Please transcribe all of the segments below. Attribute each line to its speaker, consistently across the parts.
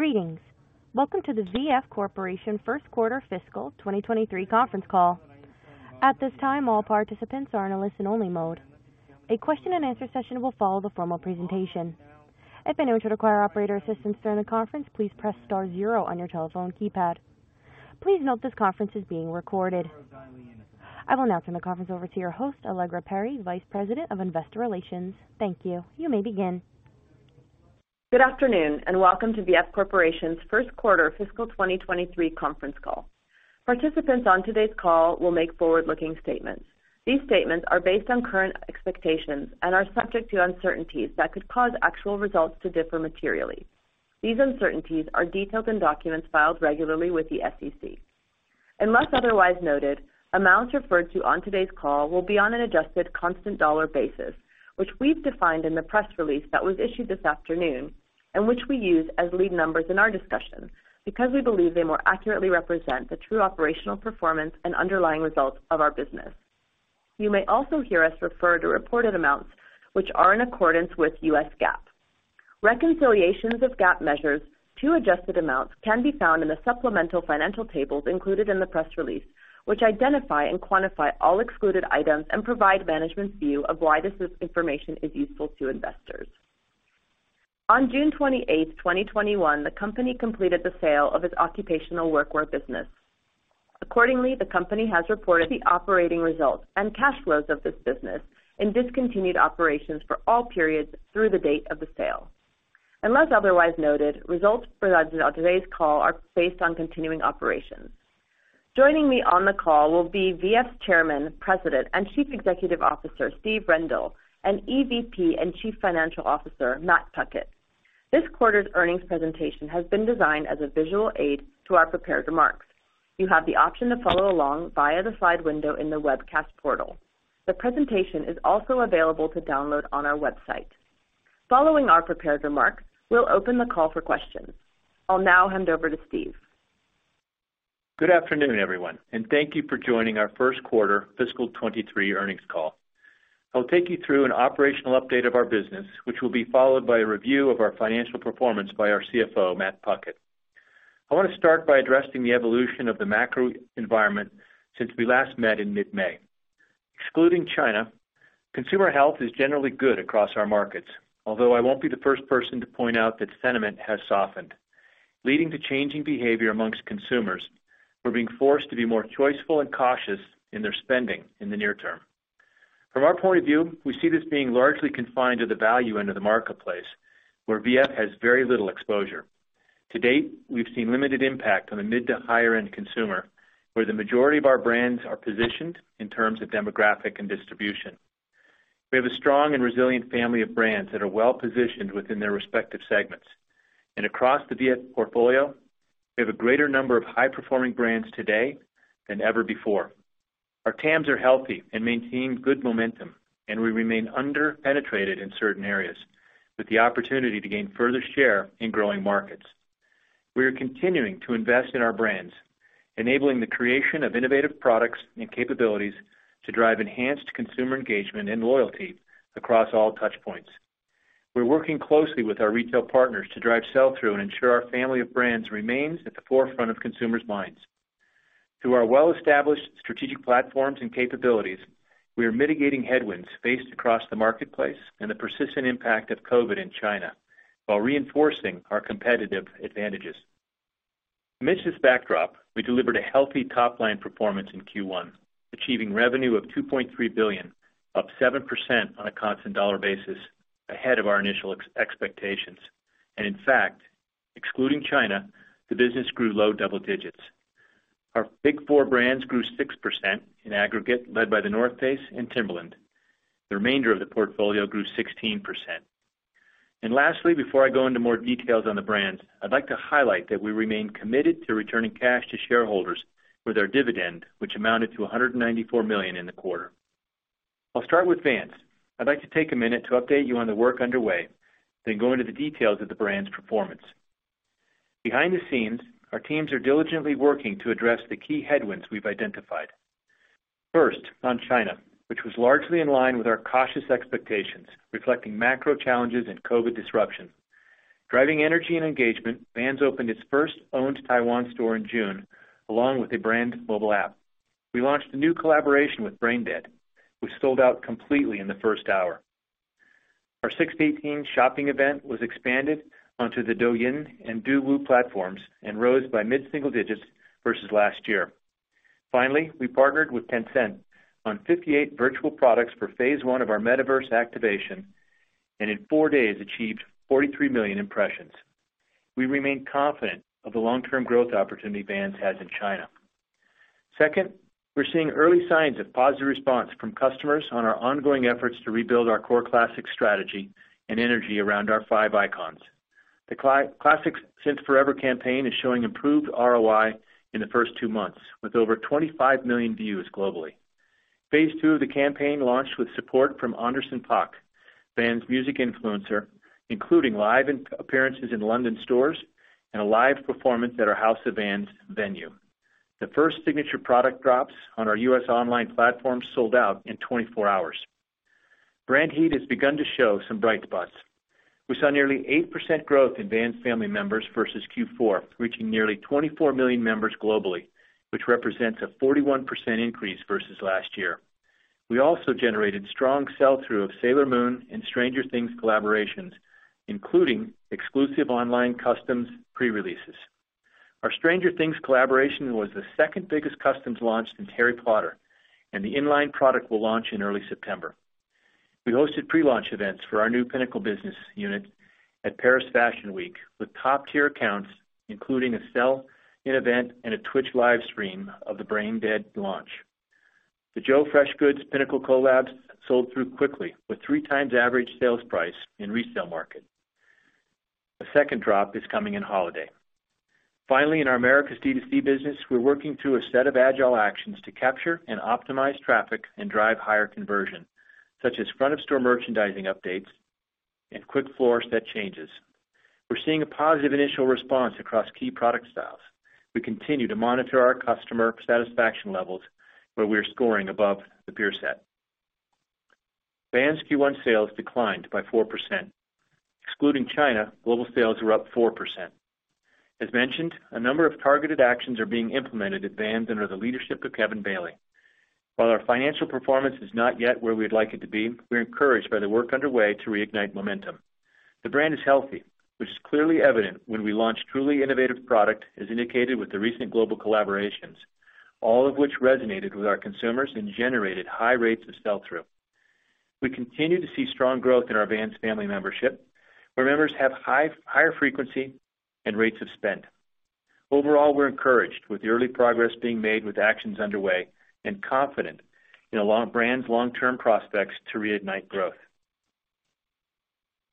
Speaker 1: Greetings. Welcome to the VF Corporation first quarter fiscal 2023 conference call. At this time, all participants are in a listen only mode. A Q&A session will follow the formal presentation. If at any time you require operator assistance during the conference, please press star zero on your telephone keypad. Please note this conference is being recorded. I will now turn the conference over to your host, Allegra Perry, Vice President of Investor Relations. Thank you. You may begin.
Speaker 2: Good afternoon and welcome to VF Corporation's first quarter fiscal 2023 conference call. Participants on today's call will make forward-looking statements. These statements are based on current expectations and are subject to uncertainties that could cause actual results to differ materially. These uncertainties are detailed in documents filed regularly with the SEC. Unless otherwise noted, amounts referred to on today's call will be on an adjusted constant dollar basis, which we've defined in the press release that was issued this afternoon and which we use as lead numbers in our discussion because we believe they more accurately represent the true operational performance and underlying results of our business. You may also hear us refer to reported amounts which are in accordance with U.S. GAAP. Reconciliations of GAAP measures to adjusted amounts can be found in the supplemental financial tables included in the press release, which identify and quantify all excluded items and provide management's view of why this information is useful to investors. On June 28, 2021, the company completed the sale of its occupational Workwear business. Accordingly, the company has reported the operating results and cash flows of this business in discontinued operations for all periods through the date of the sale. Unless otherwise noted, results that on today's call are based on continuing operations. Joining me on the call will be VF's Chairman, President, and Chief Executive Officer, Steve Rendle, and EVP and Chief Financial Officer, Matt Puckett. This quarter's earnings presentation has been designed as a visual aid to our prepared remarks. You have the option to follow along via the slide window in the webcast portal. The presentation is also available to download on our website. Following our prepared remarks, we'll open the call for questions. I'll now hand over to Steve.
Speaker 3: Good afternoon, everyone, and thank you for joining our first quarter fiscal 2023 earnings call. I will take you through an operational update of our business, which will be followed by a review of our financial performance by our CFO, Matt Puckett. I want to start by addressing the evolution of the macro environment since we last met in mid-May. Excluding China, consumer health is generally good across our markets. Although I won't be the first person to point out that sentiment has softened, leading to changing behavior amongst consumers who are being forced to be more choiceful and cautious in their spending in the near term. From our point of view, we see this being largely confined to the value end of the marketplace where VF has very little exposure. To date, we've seen limited impact on the mid to higher end consumer, where the majority of our brands are positioned in terms of demographic and distribution. We have a strong and resilient family of brands that are well positioned within their respective segments. Across the VF portfolio, we have a greater number of high-performing brands today than ever before. Our TAMs are healthy and maintain good momentum, and we remain under-penetrated in certain areas with the opportunity to gain further share in growing markets. We are continuing to invest in our brands, enabling the creation of innovative products and capabilities to drive enhanced consumer engagement and loyalty across all touch points. We're working closely with our retail partners to drive sell-through and ensure our family of brands remains at the forefront of consumers' minds. Through our well-established strategic platforms and capabilities, we are mitigating headwinds faced across the marketplace and the persistent impact of COVID in China while reinforcing our competitive advantages. Amidst this backdrop, we delivered a healthy top-line performance in Q1, achieving revenue of $2.3 billion, up 7% on a constant dollar basis, ahead of our initial expectations. In fact, excluding China, the business grew low double digits. Our big four brands grew 6% in aggregate, led by The North Face and Timberland. The remainder of the portfolio grew 16%. Lastly, before I go into more details on the brands, I'd like to highlight that we remain committed to returning cash to shareholders with our dividend, which amounted to $194 million in the quarter. I'll start with Vans. I'd like to take a minute to update you on the work underway, then go into the details of the brand's performance. Behind the scenes, our teams are diligently working to address the key headwinds we've identified. First, on China, which was largely in line with our cautious expectations, reflecting macro challenges and COVID disruption. Driving energy and engagement, Vans opened its first owned Taiwan store in June, along with a brand mobile app. We launched a new collaboration with Brain Dead, which sold out completely in the first hour. Our 618 shopping event was expanded onto the Douyin and Dewu platforms and rose by mid-single digits versus last year. Finally, we partnered with Tencent on 58 virtual products for phase I of our metaverse activation, and in four days achieved 43 million impressions. We remain confident of the long-term growth opportunity Vans has in China. Second, we're seeing early signs of positive response from customers on our ongoing efforts to rebuild our core classic strategy and energy around our five icons. The Classic Since Forever campaign is showing improved ROI in the first two months, with over 25 million views globally. phase II of the campaign launched with support from Anderson Paak, Vans music influencer, including live in-store appearances in London stores and a live performance at our House of Vans venue. The first signature product drops on our U.S. online platform sold out in 24 hours. Brand heat has begun to show some bright spots. We saw nearly 8% growth in Vans Family members versus Q4, reaching nearly 24 million members globally, which represents a 41% increase versus last year. We also generated strong sell-through of Sailor Moon and Stranger Things collaborations, including exclusive online custom pre-releases. Our Stranger Things collaboration was the second-biggest customs launch in Harry Potter, and the in-line product will launch in early September. We hosted pre-launch events for our new Pinnacle business unit at Paris Fashion Week, with top-tier accounts, including a sell in event and a Twitch live stream of the Brain Dead launch. The Joe Freshgoods Pinnacle collabs sold through quickly, with 3x average sales price in resale market. The second drop is coming in holiday. Finally, in our America's D2C business, we're working through a set of agile actions to capture and optimize traffic and drive higher conversion, such as front-of-store merchandising updates and quick floor set changes. We're seeing a positive initial response across key product styles. We continue to monitor our customer satisfaction levels, where we are scoring above the peer set. Vans Q1 sales declined by 4%. Excluding China, global sales were up 4%. As mentioned, a number of targeted actions are being implemented at Vans under the leadership of Kevin Bailey. While our financial performance is not yet where we'd like it to be, we're encouraged by the work underway to reignite momentum. The brand is healthy, which is clearly evident when we launch truly innovative product, as indicated with the recent global collaborations, all of which resonated with our consumers and generated high rates of sell-through. We continue to see strong growth in our Vans Family membership, where members have higher frequency and rates of spend. Overall, we're encouraged with the early progress being made with actions underway and confident in the brand's long-term prospects to reignite growth.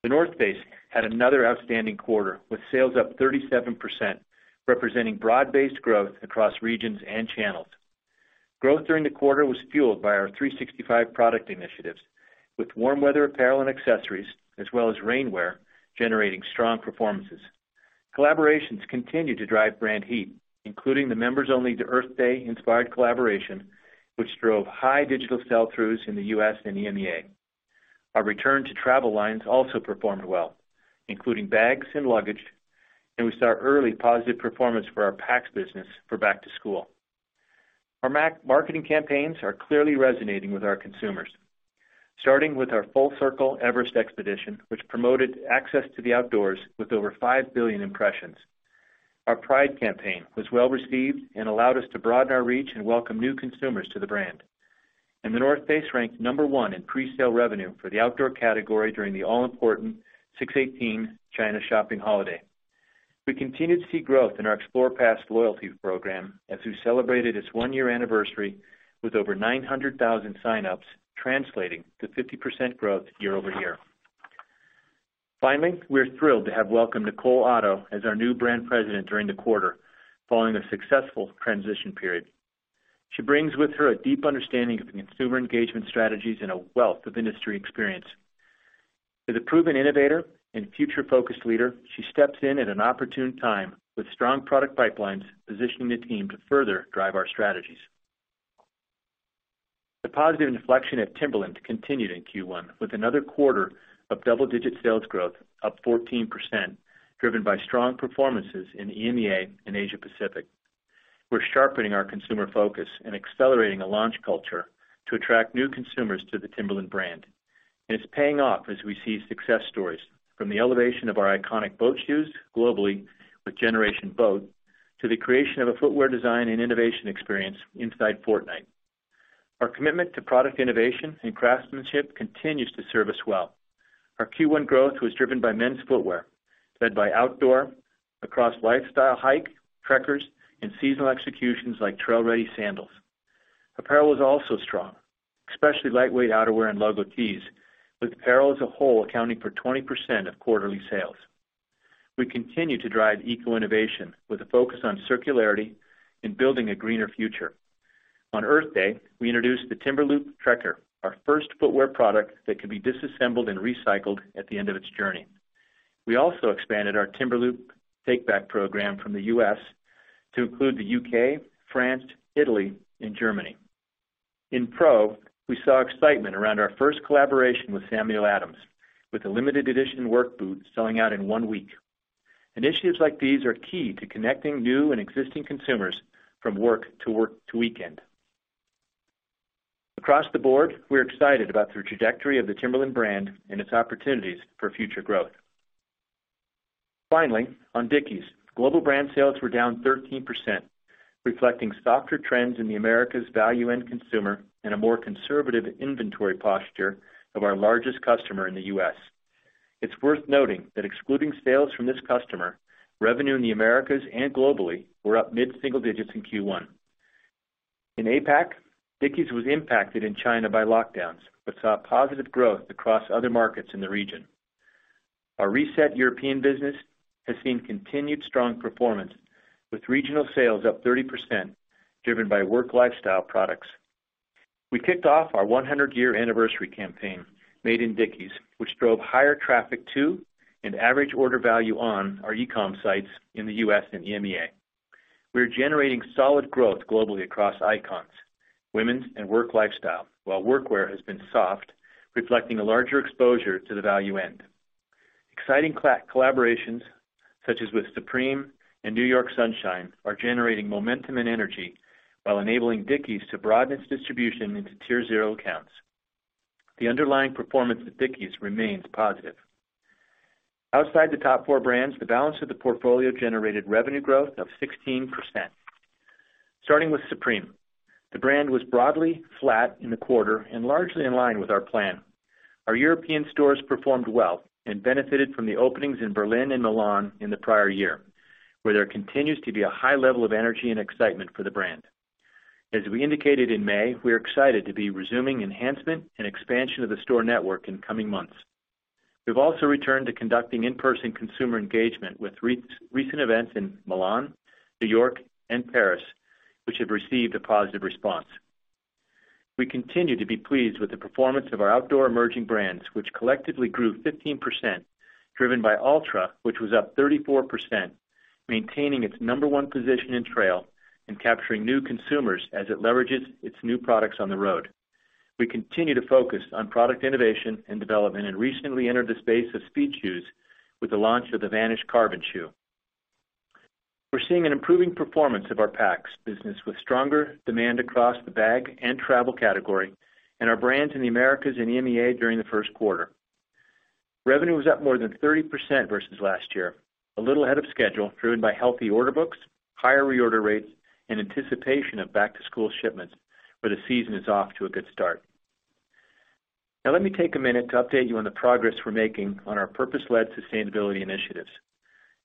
Speaker 3: The North Face had another outstanding quarter, with sales up 37%, representing broad-based growth across regions and channels. Growth during the quarter was fueled by our 365 product initiatives, with warm weather apparel and accessories, as well as rainwear, generating strong performances. Collaborations continue to drive brand heat, including the members-only Earth Day-inspired collaboration, which drove high digital sell-throughs in the U.S. and EMEA. Our return to travel lines also performed well, including bags and luggage, and we saw early positive performance for our packs business for back to school. Our marketing campaigns are clearly resonating with our consumers, starting with our Full Circle Everest expedition, which promoted access to the outdoors with over 5 billion impressions. Our Pride campaign was well-received and allowed us to broaden our reach and welcome new consumers to the brand. The North Face ranked number one in presale revenue for the outdoor category during the all-important 618 China shopping holiday. We continue to see growth in our Explore Pass loyalty program as we celebrated its one-year anniversary with over 900,000 sign-ups, translating to 50% growth year-over-year. Finally, we're thrilled to have welcomed Nicole Otto as our new Brand President during the quarter, following a successful transition period. She brings with her a deep understanding of the consumer engagement strategies and a wealth of industry experience. As a proven innovator and future-focused leader, she steps in at an opportune time with strong product pipelines, positioning the team to further drive our strategies. The positive inflection at Timberland continued in Q1, with another quarter of double-digit sales growth up 14%, driven by strong performances in EMEA and Asia Pacific. We're sharpening our consumer focus and accelerating a launch culture to attract new consumers to the Timberland brand, and it's paying off as we see success stories from the elevation of our iconic boat shoes globally with Generation Boat to the creation of a footwear design and innovation experience inside Fortnite. Our commitment to product innovation and craftsmanship continues to serve us well. Our Q1 growth was driven by men's footwear, led by outdoor across lifestyle hike, trekkers, and seasonal executions like trail-ready sandals. Apparel is also strong, especially lightweight outerwear and logo tees, with apparel as a whole accounting for 20% of quarterly sales. We continue to drive eco-innovation with a focus on circularity and building a greener future. On Earth Day, we introduced the Timberloop Trekker, our first footwear product that can be disassembled and recycled at the end of its journey. We also expanded our Timberloop take-back program from the U.S. to include the U.K., France, Italy, and Germany. In PRO, we saw excitement around our first collaboration with Samuel Adams, with a limited edition work boot selling out in one week. Initiatives like these are key to connecting new and existing consumers from work to weekend. Across the board, we're excited about the trajectory of the Timberland brand and its opportunities for future growth. Finally, on Dickies. Global brand sales were down 13%, reflecting softer trends in the Americas value-end consumer and a more conservative inventory posture of our largest customer in the U.S. It's worth noting that excluding sales from this customer, revenue in the Americas and globally were up mid-single digits in Q1. In APAC, Dickies was impacted in China by lockdowns, but saw positive growth across other markets in the region. Our reset European business has seen continued strong performance, with regional sales up 30%, driven by work lifestyle products. We kicked off our 100-year anniversary campaign, Made in Dickies, which drove higher traffic to and average order value on our e-com sites in the US and EMEA. We're generating solid growth globally across icons, women's and work lifestyle, while workwear has been soft, reflecting a larger exposure to the value end. Exciting collaborations such as with Supreme and New York Sunshine are generating momentum and energy while enabling Dickies to broaden its distribution into Tier Zero accounts. The underlying performance of Dickies remains positive. Outside the top four brands, the balance of the portfolio generated revenue growth of 16%. Starting with Supreme, the brand was broadly flat in the quarter and largely in line with our plan. Our European stores performed well and benefited from the openings in Berlin and Milan in the prior year, where there continues to be a high level of energy and excitement for the brand. As we indicated in May, we are excited to be resuming enhancement and expansion of the store network in coming months. We've also returned to conducting in-person consumer engagement with recent events in Milan, New York, and Paris, which have received a positive response. We continue to be pleased with the performance of our outdoor emerging brands, which collectively grew 15%, driven by Altra, which was up 34%, maintaining its number one position in trail and capturing new consumers as it leverages its new products on the road. We continue to focus on product innovation and development and recently entered the space of speed shoes with the launch of the Vanish Carbon shoe. We're seeing an improving performance of our packs business with stronger demand across the bag and travel category and our brands in the Americas and EMEA during the first quarter. Revenue was up more than 30% versus last year, a little ahead of schedule, driven by healthy order books, higher reorder rates, and anticipation of back-to-school shipments, where the season is off to a good start. Now let me take a minute to update you on the progress we're making on our purpose-led sustainability initiatives.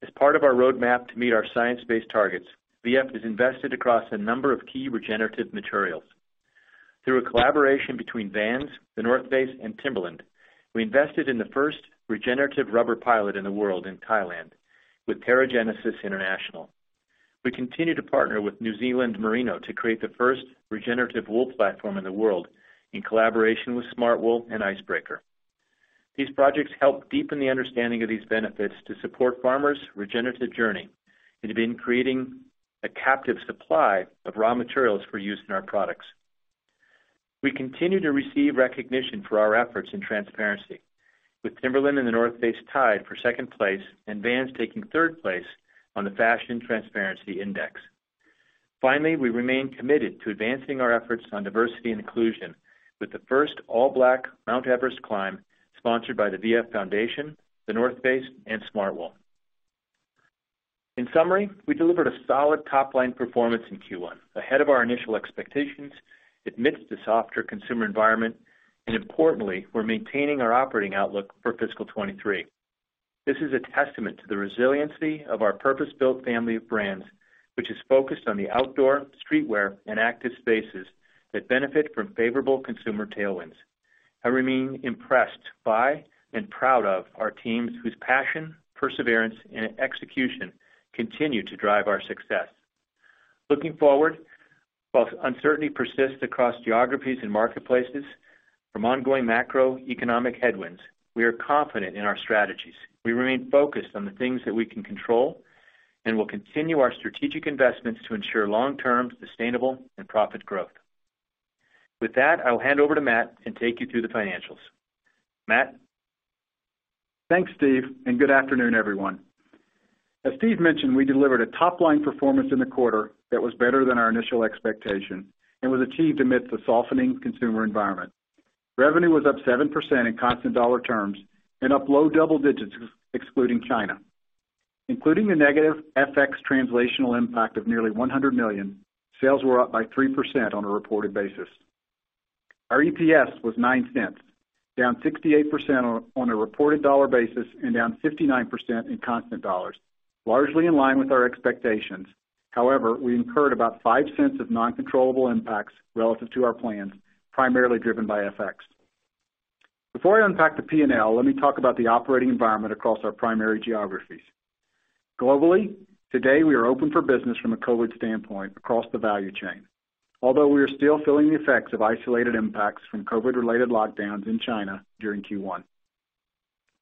Speaker 3: As part of our roadmap to meet our science-based targets, VF has invested across a number of key regenerative materials. Through a collaboration between Vans, The North Face, and Timberland, we invested in the first regenerative rubber pilot in the world in Thailand with Terra Genesis International. We continue to partner with New Zealand Merino to create the first regenerative wool platform in the world in collaboration with Smartwool and Icebreaker. These projects help deepen the understanding of these benefits to support farmers' regenerative journey and have been creating a captive supply of raw materials for use in our products. We continue to receive recognition for our efforts in transparency with Timberland and The North Face tied for second place and Vans taking third place on the Fashion Transparency Index. Finally, we remain committed to advancing our efforts on diversity and inclusion with the first all-Black Mount Everest climb sponsored by the VF Foundation, The North Face, and Smartwool. In summary, we delivered a solid top-line performance in Q1, ahead of our initial expectations amidst the softer consumer environment, and importantly, we're maintaining our operating outlook for fiscal 2023. This is a testament to the resiliency of our purpose-built family of brands, which is focused on the outdoor, streetwear, and active spaces that benefit from favorable consumer tailwinds. I remain impressed by and proud of our teams whose passion, perseverance, and execution continue to drive our success. Looking forward, while uncertainty persists across geographies and marketplaces from ongoing macroeconomic headwinds, we are confident in our strategies. We remain focused on the things that we can control and will continue our strategic investments to ensure long-term sustainable and profit growth. With that, I will hand over to Matt and take you through the financials. Matt?
Speaker 4: Thanks, Steve, and good afternoon, everyone. As Steve mentioned, we delivered a top-line performance in the quarter that was better than our initial expectation and was achieved amidst the softening consumer environment. Revenue was up 7% in constant dollar terms and up low double digits excluding China. Including the negative FX translational impact of nearly $100 million, sales were up by 3% on a reported basis. Our EPS was $0.09, down 68% on a reported dollar basis and down 59% in constant dollars, largely in line with our expectations. However, we incurred about $0.05 of non-controllable impacts relative to our plans, primarily driven by FX. Before I unpack the P&L, let me talk about the operating environment across our primary geographies. Globally, today we are open for business from a COVID standpoint across the value chain, although we are still feeling the effects of isolated impacts from COVID-related lockdowns in China during Q1.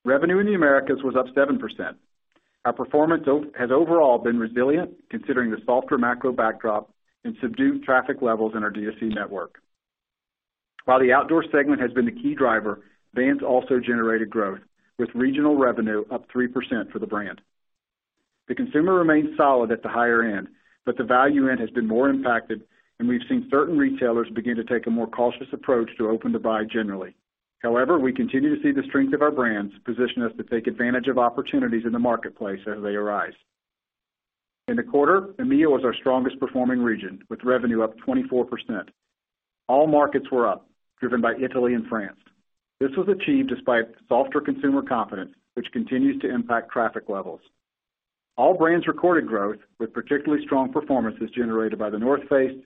Speaker 4: Revenue in the Americas was up 7%. Our performance has overall been resilient considering the softer macro backdrop and subdued traffic levels in our DTC network. While the outdoor segment has been the key driver, Vans also generated growth with regional revenue up 3% for the brand. The consumer remains solid at the higher end, but the value end has been more impacted and we've seen certain retailers begin to take a more cautious approach to open to buy generally. However, we continue to see the strength of our brands position us to take advantage of opportunities in the marketplace as they arise. In the quarter, EMEA was our strongest performing region with revenue up 24%. All markets were up, driven by Italy and France. This was achieved despite softer consumer confidence, which continues to impact traffic levels. All brands recorded growth with particularly strong performances generated by The North Face,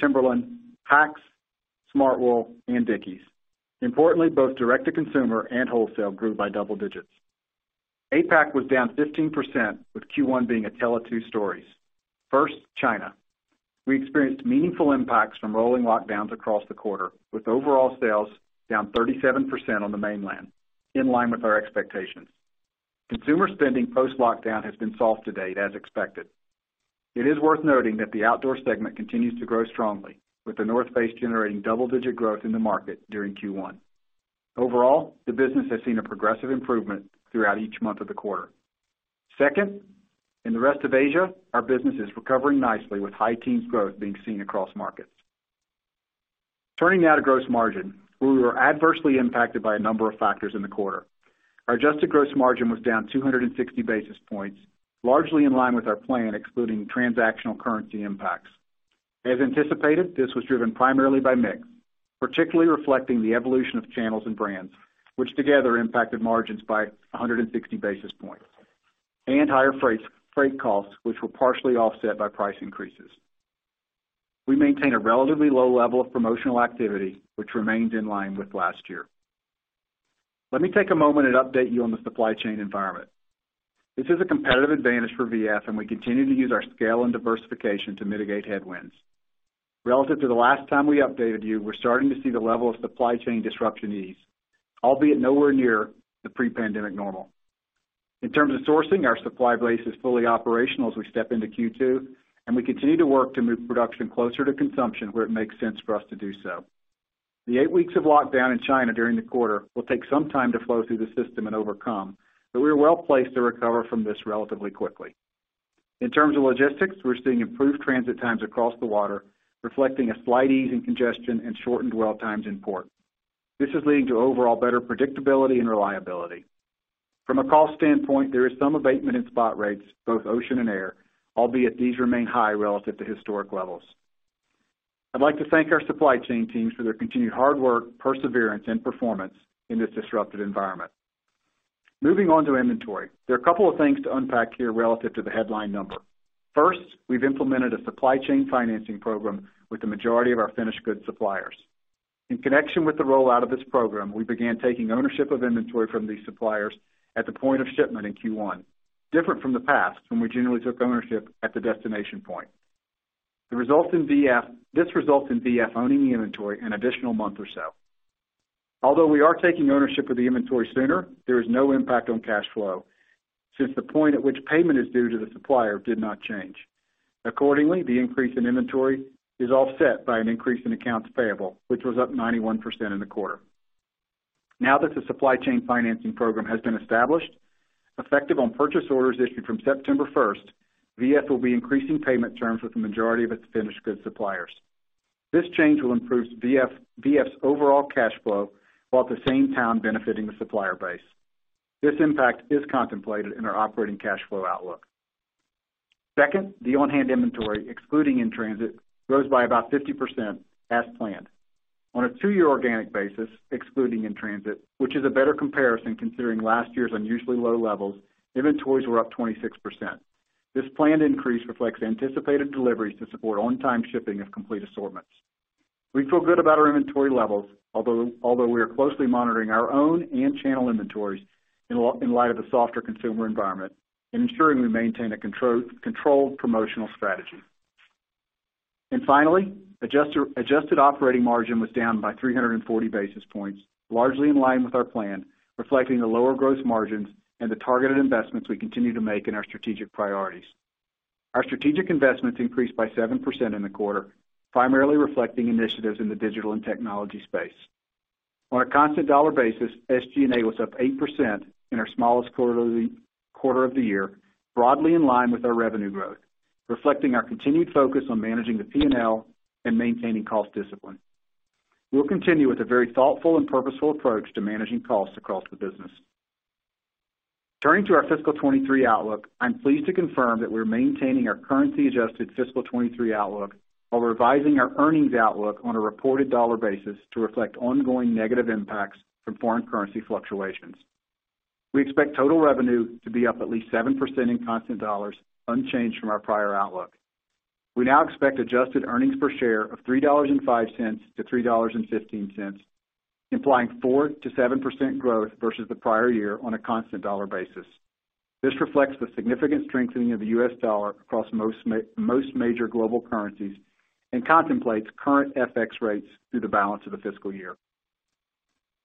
Speaker 4: Timberland, Vans, Smartwool, and Dickies. Importantly, both direct-to-consumer and wholesale grew by double digits. APAC was down 15% with Q1 being a tale of two stories. First, China. We experienced meaningful impacts from rolling lockdowns across the quarter, with overall sales down 37% on the mainland, in line with our expectations. Consumer spending post-lockdown has been soft to date, as expected. It is worth noting that the outdoor segment continues to grow strongly, with The North Face generating double-digit growth in the market during Q1. Overall, the business has seen a progressive improvement throughout each month of the quarter. Second, in the rest of Asia, our business is recovering nicely with high-teens growth being seen across markets. Turning now to gross margin, we were adversely impacted by a number of factors in the quarter. Our adjusted gross margin was down 260 basis points, largely in line with our plan, excluding transactional currency impacts. As anticipated, this was driven primarily by mix, particularly reflecting the evolution of channels and brands, which together impacted margins by 160 basis points, and higher freight costs, which were partially offset by price increases. We maintain a relatively low level of promotional activity, which remains in line with last year. Let me take a moment and update you on the supply chain environment. This is a competitive advantage for VF, and we continue to use our scale and diversification to mitigate headwinds. Relative to the last time we updated you, we're starting to see the level of supply chain disruption ease, albeit nowhere near the pre-pandemic normal. In terms of sourcing, our supply base is fully operational as we step into Q2, and we continue to work to move production closer to consumption where it makes sense for us to do so. The eight weeks of lockdown in China during the quarter will take some time to flow through the system and overcome, but we are well-placed to recover from this relatively quickly. In terms of logistics, we're seeing improved transit times across the water, reflecting a slight ease in congestion and shortened dwell times in port. This is leading to overall better predictability and reliability. From a cost standpoint, there is some abatement in spot rates, both ocean and air, albeit these remain high relative to historic levels. I'd like to thank our supply chain teams for their continued hard work, perseverance, and performance in this disrupted environment. Moving on to inventory. There are a couple of things to unpack here relative to the headline number. First, we've implemented a supply chain financing program with the majority of our finished goods suppliers. In connection with the rollout of this program, we began taking ownership of inventory from these suppliers at the point of shipment in Q1, different from the past when we generally took ownership at the destination point. This results in VF owning the inventory an additional month or so. Although we are taking ownership of the inventory sooner, there is no impact on cash flow since the point at which payment is due to the supplier did not change. Accordingly, the increase in inventory is offset by an increase in accounts payable, which was up 91% in the quarter. Now that the supply chain financing program has been established, effective on purchase orders issued from September 1st, VF will be increasing payment terms with the majority of its finished goods suppliers. This change will improve VF's overall cash flow while at the same time benefiting the supplier base. This impact is contemplated in our operating cash flow outlook. Second, the on-hand inventory, excluding in-transit, grows by about 50% as planned. On a two-year organic basis, excluding in transit, which is a better comparison considering last year's unusually low levels, inventories were up 26%. This planned increase reflects anticipated deliveries to support on-time shipping of complete assortments. We feel good about our inventory levels, although we are closely monitoring our own and channel inventories in light of the softer consumer environment and ensuring we maintain a controlled promotional strategy. Finally, adjusted operating margin was down by 340 basis points, largely in line with our plan, reflecting the lower gross margins and the targeted investments we continue to make in our strategic priorities. Our strategic investments increased by 7% in the quarter, primarily reflecting initiatives in the digital and technology space. On a constant dollar basis, SG&A was up 8% in our smallest quarter of the year, broadly in line with our revenue growth, reflecting our continued focus on managing the P&L and maintaining cost discipline. We'll continue with a very thoughtful and purposeful approach to managing costs across the business. Turning to our fiscal 2023 outlook, I'm pleased to confirm that we're maintaining our currency-adjusted fiscal 2023 outlook while revising our earnings outlook on a reported dollar basis to reflect ongoing negative impacts from foreign currency fluctuations. We expect total revenue to be up at least 7% in constant dollars, unchanged from our prior outlook. We now expect adjusted earnings per share of $3.05-$3.15, implying 4%-7% growth versus the prior year on a constant dollar basis. This reflects the significant strengthening of the U.S. dollar across most most major global currencies and contemplates current FX rates through the balance of the fiscal year.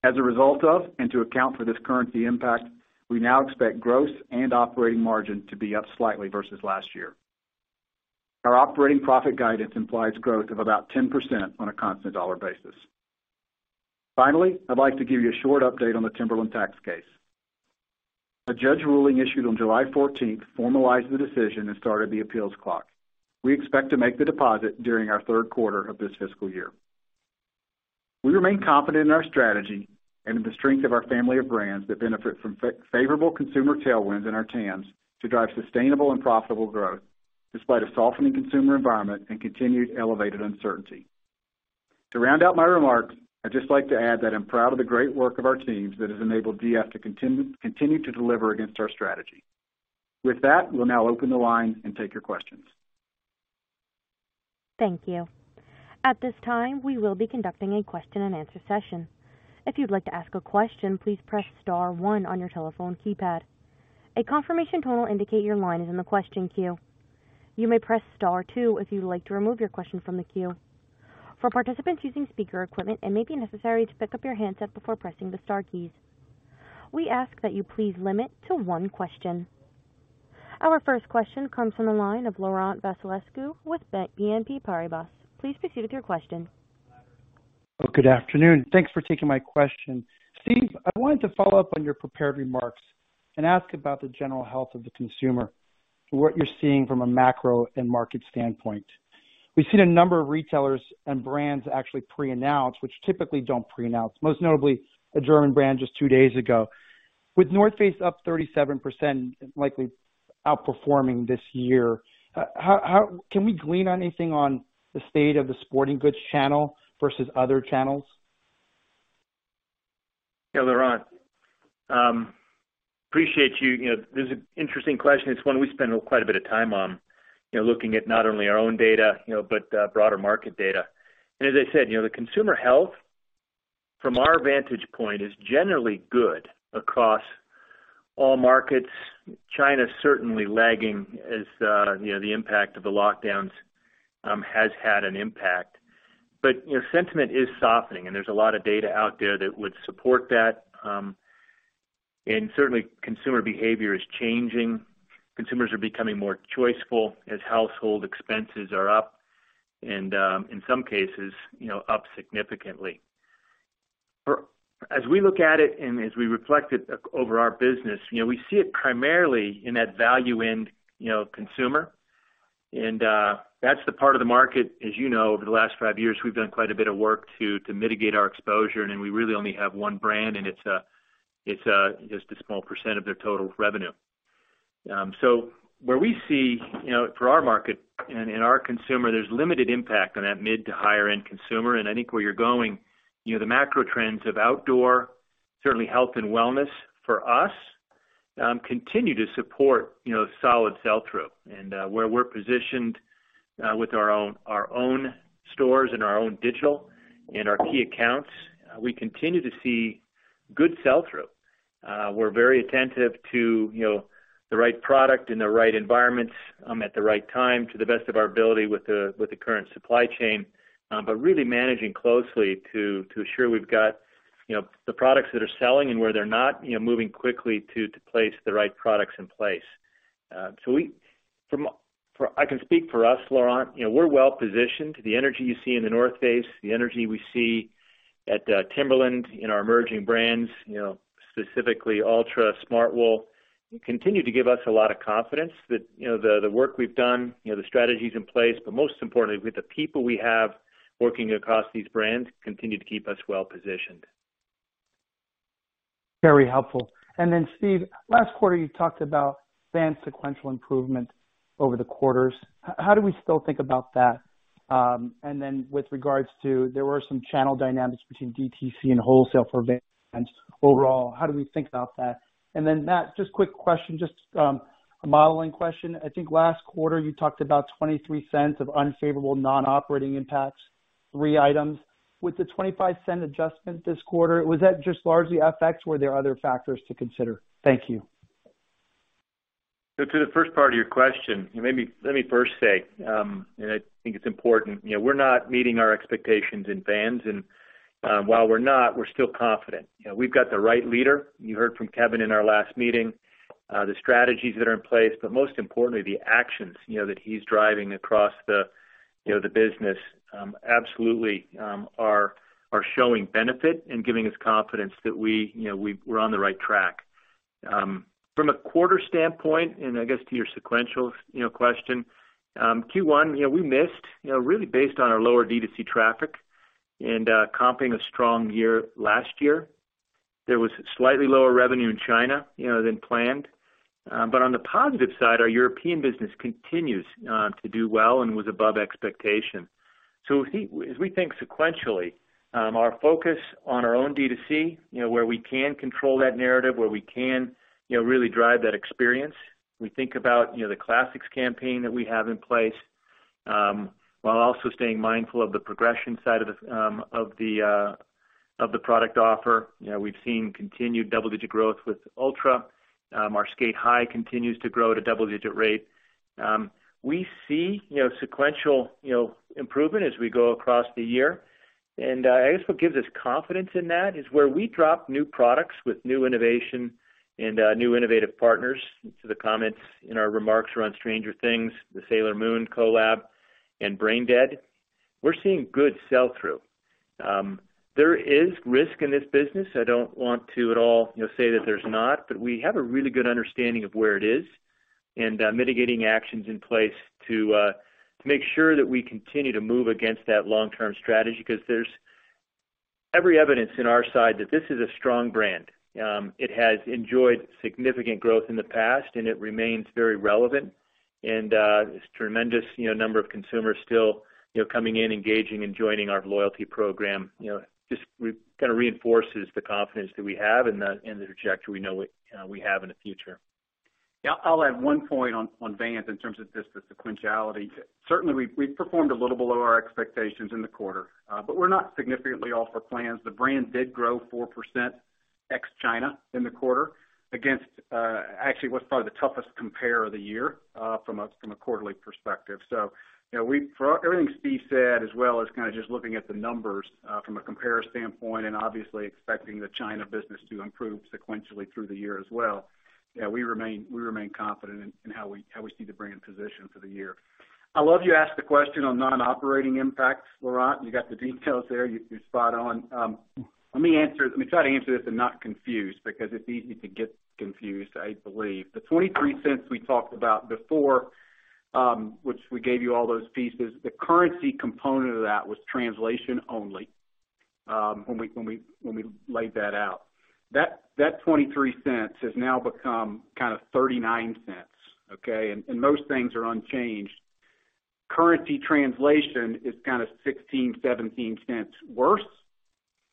Speaker 4: As a result of, and to account for this currency impact, we now expect gross and operating margin to be up slightly versus last year. Our operating profit guidance implies growth of about 10% on a constant dollar basis. Finally, I'd like to give you a short update on the Timberland tax case. A judge ruling issued on July fourteenth formalized the decision and started the appeals clock. We expect to make the deposit during our third quarter of this fiscal year. We remain confident in our strategy and in the strength of our family of brands that benefit from favorable consumer tailwinds in our TAMs to drive sustainable and profitable growth despite a softening consumer environment and continued elevated uncertainty. To round out my remarks, I'd just like to add that I'm proud of the great work of our teams that has enabled VF to continue to deliver against our strategy. With that, we'll now open the line and take your questions.
Speaker 1: Thank you. At this time, we will be conducting a Q&A session. If you'd like to ask a question, please press star one on your telephone keypad. A confirmation tone will indicate your line is in the question queue. You may press star two if you'd like to remove your question from the queue. For participants using speaker equipment, it may be necessary to pick up your handset before pressing the star keys. We ask that you please limit to one question. Our first question comes from the line of Laurent Vasilescu with BNP Paribas. Please proceed with your question.
Speaker 5: Good afternoon. Thanks for taking my question. Steve, I wanted to follow up on your prepared remarks and ask about the general health of the consumer and what you're seeing from a macro and market standpoint. We've seen a number of retailers and brands actually pre-announce, which typically don't pre-announce. Most notably a German brand just two days ago. With The North Face up 37%, likely outperforming this year. How can we glean anything on the state of the sporting goods channel versus other channels?
Speaker 3: Yeah, Laurent. Appreciate you. You know, this is an interesting question. It's one we spend quite a bit of time on, you know, looking at not only our own data, you know, but broader market data. As I said, you know, the consumer health from our vantage point is generally good across all markets. China's certainly lagging as, you know, the impact of the lockdowns has had an impact. Sentiment is softening, and there's a lot of data out there that would support that. Certainly consumer behavior is changing. Consumers are becoming more choiceful as household expenses are up and, in some cases, you know, up significantly. As we look at it and as we reflect it over our business, you know, we see it primarily in that value end, you know, consumer. That's the part of the market, as you know, over the last five years, we've done quite a bit of work to mitigate our exposure. Then we really only have one brand, and it's just a small percent of their total revenue. Where we see, you know, for our market and in our consumer, there's limited impact on that mid to higher end consumer. I think where you're going, you know, the macro trends of outdoor, certainly health and wellness for us, continue to support, you know, solid sell-through. Where we're positioned with our own stores and our own digital and our key accounts, we continue to see good sell-through. We're very attentive to, you know, the right product in the right environments, at the right time to the best of our ability with the current supply chain. Really managing closely to ensure we've got, you know, the products that are selling and where they're not, you know, moving quickly to place the right products in place. I can speak for us, Laurent. You know, we're well positioned. The energy you see in The North Face, the energy we see at Timberland in our emerging brands, you know, specifically Altra, Smartwool, continue to give us a lot of confidence that, you know, the work we've done, you know, the strategies in place, but most importantly, with the people we have working across these brands continue to keep us well positioned.
Speaker 5: Very helpful. Steve, last quarter you talked about Vans sequential improvement over the quarters. How do we still think about that? With regards to there were some channel dynamics between DTC and wholesale for Vans overall, how do we think about that? Matt, just quick question, just, a modeling question. I think last quarter you talked about $0.23 of unfavorable non-operating impacts, three items. With the $0.25 adjustment this quarter, was that just largely FX, were there other factors to consider? Thank you.
Speaker 3: To the first part of your question, let me first say, I think it's important. You know, we're not meeting our expectations in Vans. While we're not, we're still confident. You know, we've got the right leader. You heard from Kevin in our last meeting. The strategies that are in place, but most importantly, the actions, you know, that he's driving across the, you know, the business, absolutely, are showing benefit and giving us confidence that we, you know, we're on the right track. From a quarter standpoint, I guess to your sequential, you know, question. Q1, you know, we missed, you know, really based on our lower D2C traffic and, comping a strong year last year. There was slightly lower revenue in China, you know, than planned. On the positive side, our European business continues to do well and was above expectation. As we think sequentially, our focus on our own D2C, you know, where we can control that narrative, where we can, you know, really drive that experience. We think about, you know, the classics campaign that we have in place, while also staying mindful of the progression side of the product offer. You know, we've seen continued double-digit growth with Altra. Our Sk8-Hi continues to grow at a double-digit rate. We see, you know, sequential, you know, improvement as we go across the year. I guess what gives us confidence in that is where we drop new products with new innovation and new innovative partners. To the comments in our remarks around Stranger Things, the Sailor Moon collab, and Brain Dead. We're seeing good sell-through. There is risk in this business. I don't want to at all, you know, say that there's not, but we have a really good understanding of where it is and, mitigating actions in place to make sure that we continue to move against that long-term strategy, because there's every evidence on our side that this is a strong brand. It has enjoyed significant growth in the past, and it remains very relevant. This tremendous, you know, number of consumers still, you know, coming in, engaging and joining our loyalty program, you know, just kinda reinforces the confidence that we have in the trajectory we know we have in the future.
Speaker 4: Yeah, I'll add one point on Vans in terms of just the sequentiality. Certainly, we performed a little below our expectations in the quarter, but we're not significantly off our plans. The brand did grow 4% ex China in the quarter against actually what's probably the toughest compare of the year from a quarterly perspective. You know, for everything Steve said, as well as kinda just looking at the numbers from a compare standpoint, and obviously expecting the China business to improve sequentially through the year as well. Yeah, we remain confident in how we see the brand position for the year. I love that you asked the question on non-operating impacts, Laurent. You got the details there. You're spot on. Let me answer. Let me try to answer this and not confuse because it's easy to get confused, I believe. The $0.23 we talked about before, which we gave you all those pieces, the currency component of that was translation only, when we laid that out. That $0.23 has now become kind of $0.39, okay? Most things are unchanged. Currency translation is kind of $0.16, $0.17 cents worse,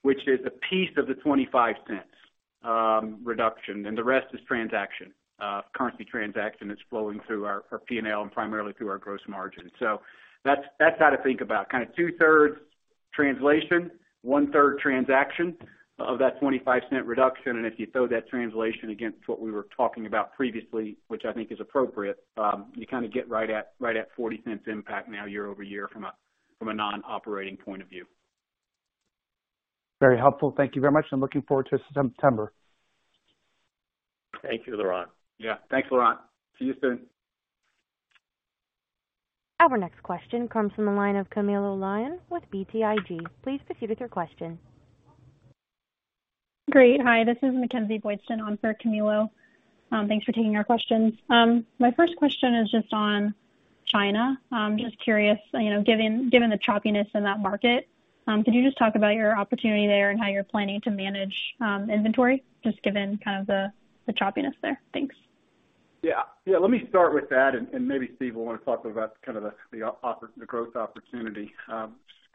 Speaker 4: which is a piece of the $0.25 reduction, and the rest is transaction. Currency transaction is flowing through our P&L and primarily through our gross margin. That's how to think about. Kind of two-thirds translation, one-third transaction of that $0.25 reduction. If you throw that translation against what we were talking about previously, which I think is appropriate, you kinda get right at $0.40 impact now year-over-year from a non-operating point of view.
Speaker 5: Very helpful. Thank you very much. I'm looking forward to September.
Speaker 3: Thank you, Laurent.
Speaker 4: Yeah. Thanks, Laurent. See you soon.
Speaker 1: Our next question comes from the line of Camilo Lyon with BTIG. Please proceed with your question.
Speaker 6: Great. Hi, this is MacKenzie Boydston on for Camilo Lyon. Thanks for taking our questions. My first question is just on China. I'm just curious, you know, given the choppiness in that market, could you just talk about your opportunity there and how you're planning to manage inventory, just given kind of the choppiness there? Thanks.
Speaker 4: Yeah. Yeah, let me start with that, maybe Steve will wanna talk about kind of the growth opportunity.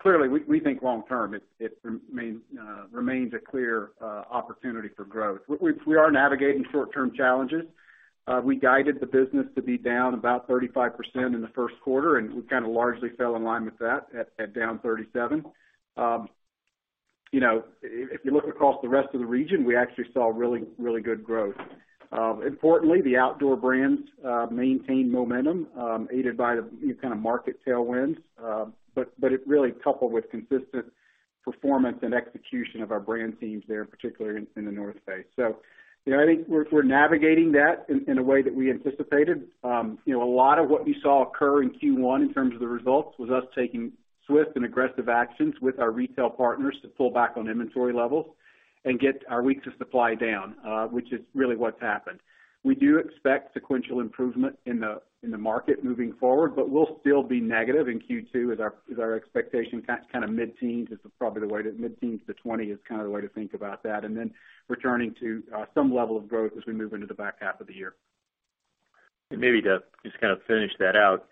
Speaker 4: Clearly we think long term. It remains a clear opportunity for growth. We are navigating short-term challenges. We guided the business to be down about 35% in the first quarter, and we kinda largely fell in line with that at down 37%. You know, if you look across the rest of the region, we actually saw really good growth. Importantly, the outdoor brands maintained momentum, aided by the kind of market tailwinds. It really coupled with consistent performance and execution of our brand teams there, particularly in The North Face. You know, I think we're navigating that in a way that we anticipated. You know, a lot of what you saw occur in Q1 in terms of the results was us taking swift and aggressive actions with our retail partners to pull back on inventory levels and get our weeks of supply down, which is really what's happened. We do expect sequential improvement in the market moving forward, but we'll still be negative in Q2 is our expectation. Mid-teens to 20% is kind of the way to think about that. Returning to some level of growth as we move into the back half of the year.
Speaker 3: Maybe to just kind of finish that out.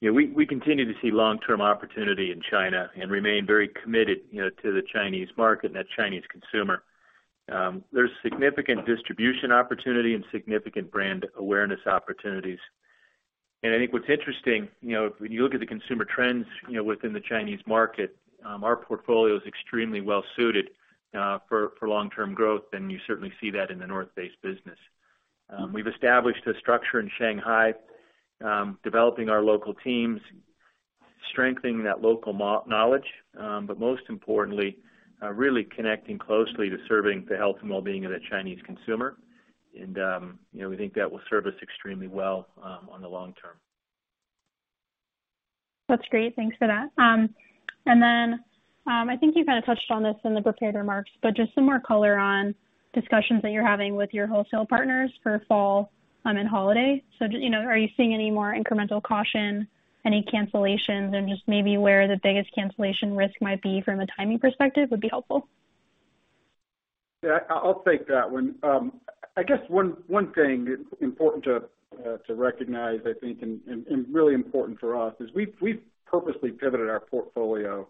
Speaker 3: You know, we continue to see long-term opportunity in China and remain very committed, you know, to the Chinese market and that Chinese consumer. There's significant distribution opportunity and significant brand awareness opportunities. I think what's interesting, you know, when you look at the consumer trends, you know, within the Chinese market, our portfolio is extremely well suited for long-term growth, and you certainly see that in The North Face business. We've established a structure in Shanghai, developing our local teams, strengthening that local knowledge, but most importantly, really connecting closely to serving the health and wellbeing of the Chinese consumer. You know, we think that will serve us extremely well on the long term.
Speaker 6: That's great. Thanks for that. I think you kinda touched on this in the prepared remarks, but just some more color on discussions that you're having with your wholesale partners for fall and holiday. You know, are you seeing any more incremental caution, any cancellations? Just maybe where the biggest cancellation risk might be from a timing perspective would be helpful.
Speaker 4: Yeah, I'll take that one. I guess one thing important to recognize, I think, and really important for us is we've purposely pivoted our portfolio,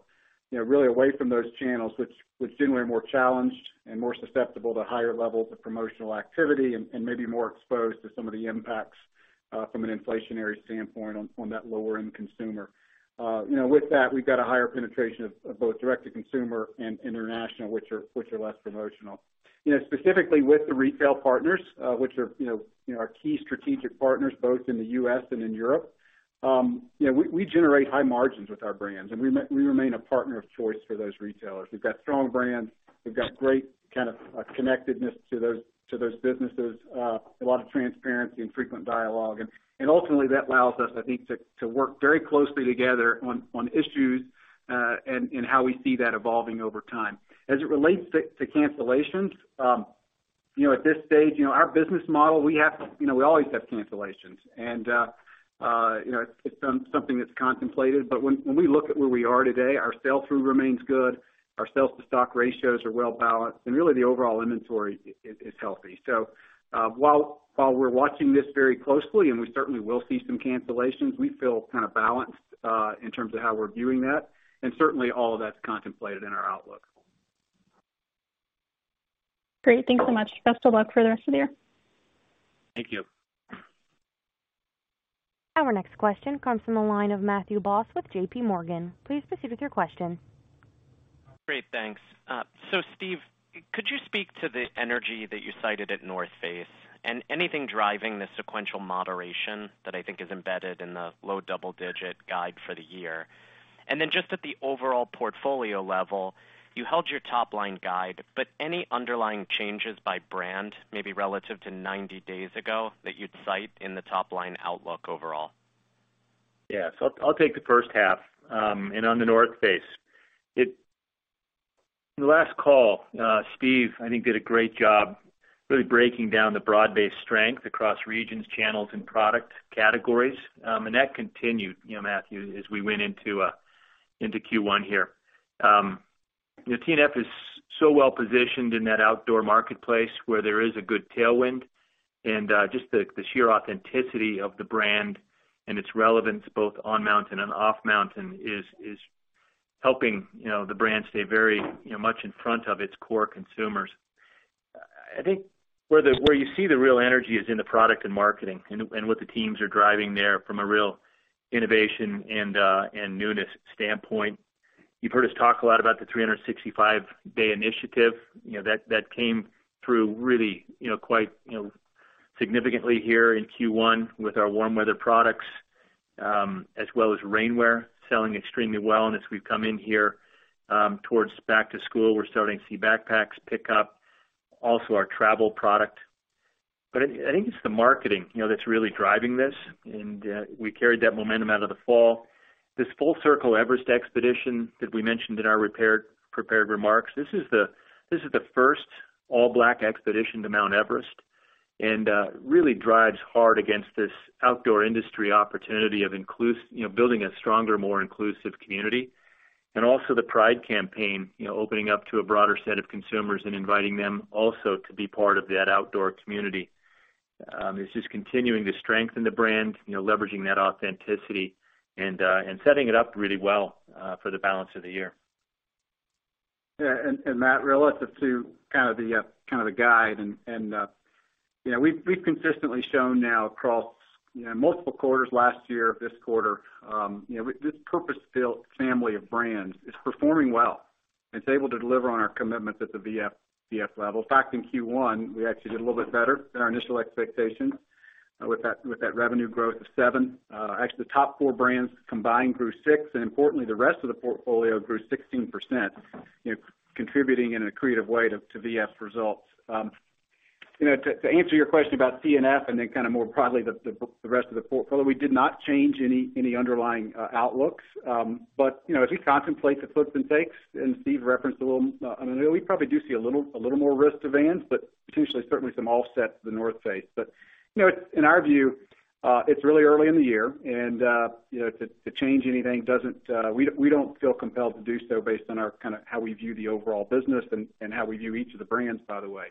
Speaker 4: you know, really away from those channels which generally are more challenged and more susceptible to higher levels of promotional activity and maybe more exposed to some of the impacts from an inflationary standpoint on that lower end consumer. You know, with that, we've got a higher penetration of both direct to consumer and international, which are less promotional. You know, specifically with the retail partners, which are, you know, are key strategic partners both in the U.S. and in Europe. You know, we generate high margins with our brands, and we remain a partner of choice for those retailers. We've got strong brands. We've got great kind of connectedness to those businesses. A lot of transparency and frequent dialogue. Ultimately that allows us, I think, to work very closely together on issues and how we see that evolving over time. As it relates to cancellations, you know, at this stage, you know, our business model, we have, you know, we always have cancellations and, you know, it's something that's contemplated. When we look at where we are today, our sell-through remains good, our sales to stock ratios are well balanced, and really the overall inventory is healthy. While we're watching this very closely, and we certainly will see some cancellations, we feel kind of balanced in terms of how we're viewing that, and certainly all of that's contemplated in our outlook.
Speaker 6: Great. Thanks so much. Best of luck for the rest of the year.
Speaker 3: Thank you.
Speaker 1: Our next question comes from the line of Matthew Boss with JPMorgan. Please proceed with your question.
Speaker 7: Great, thanks. Steve, could you speak to the energy that you cited at North Face and anything driving the sequential moderation that I think is embedded in the low double digit guide for the year? Just at the overall portfolio level, you held your top line guide, but any underlying changes by brand, maybe relative to 90 days ago that you'd cite in the top line outlook overall?
Speaker 4: Yeah. I'll take the first half. On The North Face. The last call, Steve, I think did a great job really breaking down the broad-based strength across regions, channels, and product categories. That continued, you know, Matthew, as we went into Q1 here. You know, TNF is so well positioned in that outdoor marketplace where there is a good tailwind, and just the sheer authenticity of the brand and its relevance both on mountain and off mountain is helping, you know, the brand stay very, you know, much in front of its core consumers. I think where you see the real energy is in the product and marketing and what the teams are driving there from a real innovation and newness standpoint. You've heard us talk a lot about the 365-day initiative. You know, that came through really, you know, quite, you know, significantly here in Q1 with our warm weather products, as well as rainwear selling extremely well. As we've come in here towards back to school, we're starting to see backpacks pick up, also our travel product. I think it's the marketing, you know, that's really driving this. We carried that momentum out of the fall. This full circle Everest expedition that we mentioned in our prepared remarks. This is the first all-black expedition to Mount Everest. Really drives hard against this outdoor industry opportunity of building a stronger, more inclusive community. Also the Pride campaign, you know, opening up to a broader set of consumers and inviting them also to be part of that outdoor community. It's just continuing to strengthen the brand, you know, leveraging that authenticity and setting it up really well for the balance of the year. Yeah. Matt, relative to kind of the guide, you know, we've consistently shown now across, you know, multiple quarters last year, this quarter, you know, this purpose-built family of brands is performing well. It's able to deliver on our commitments at the VF level. In fact, in Q1, we actually did a little bit better than our initial expectations, with that revenue growth of 7%. Actually the top four brands combined grew 6%, and importantly, the rest of the portfolio grew 16%, you know, contributing in a creative way to VF results. You know, to answer your question about TNF and then kind of more broadly, the rest of the portfolio, we did not change any underlying outlooks. You know, as we contemplate the puts and takes, and Steve referenced a little, you know, we probably do see a little more risk to Vans, but potentially certainly some offset to The North Face. You know, in our view, it's really early in the year and, you know, to change anything doesn't. We don't feel compelled to do so based on our kind of how we view the overall business and how we view each of the brands, by the way.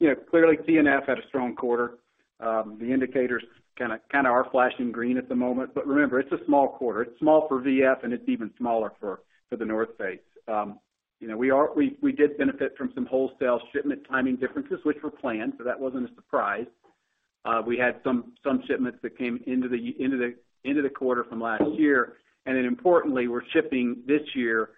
Speaker 4: You know, clearly, TNF had a strong quarter. The indicators kinda are flashing green at the moment, but remember, it's a small quarter. It's small for VF, and it's even smaller for The North Face. You know, we did benefit from some wholesale shipment timing differences, which were planned, so that wasn't a surprise. We had some shipments that came into the quarter from last year. Importantly, we're shipping this year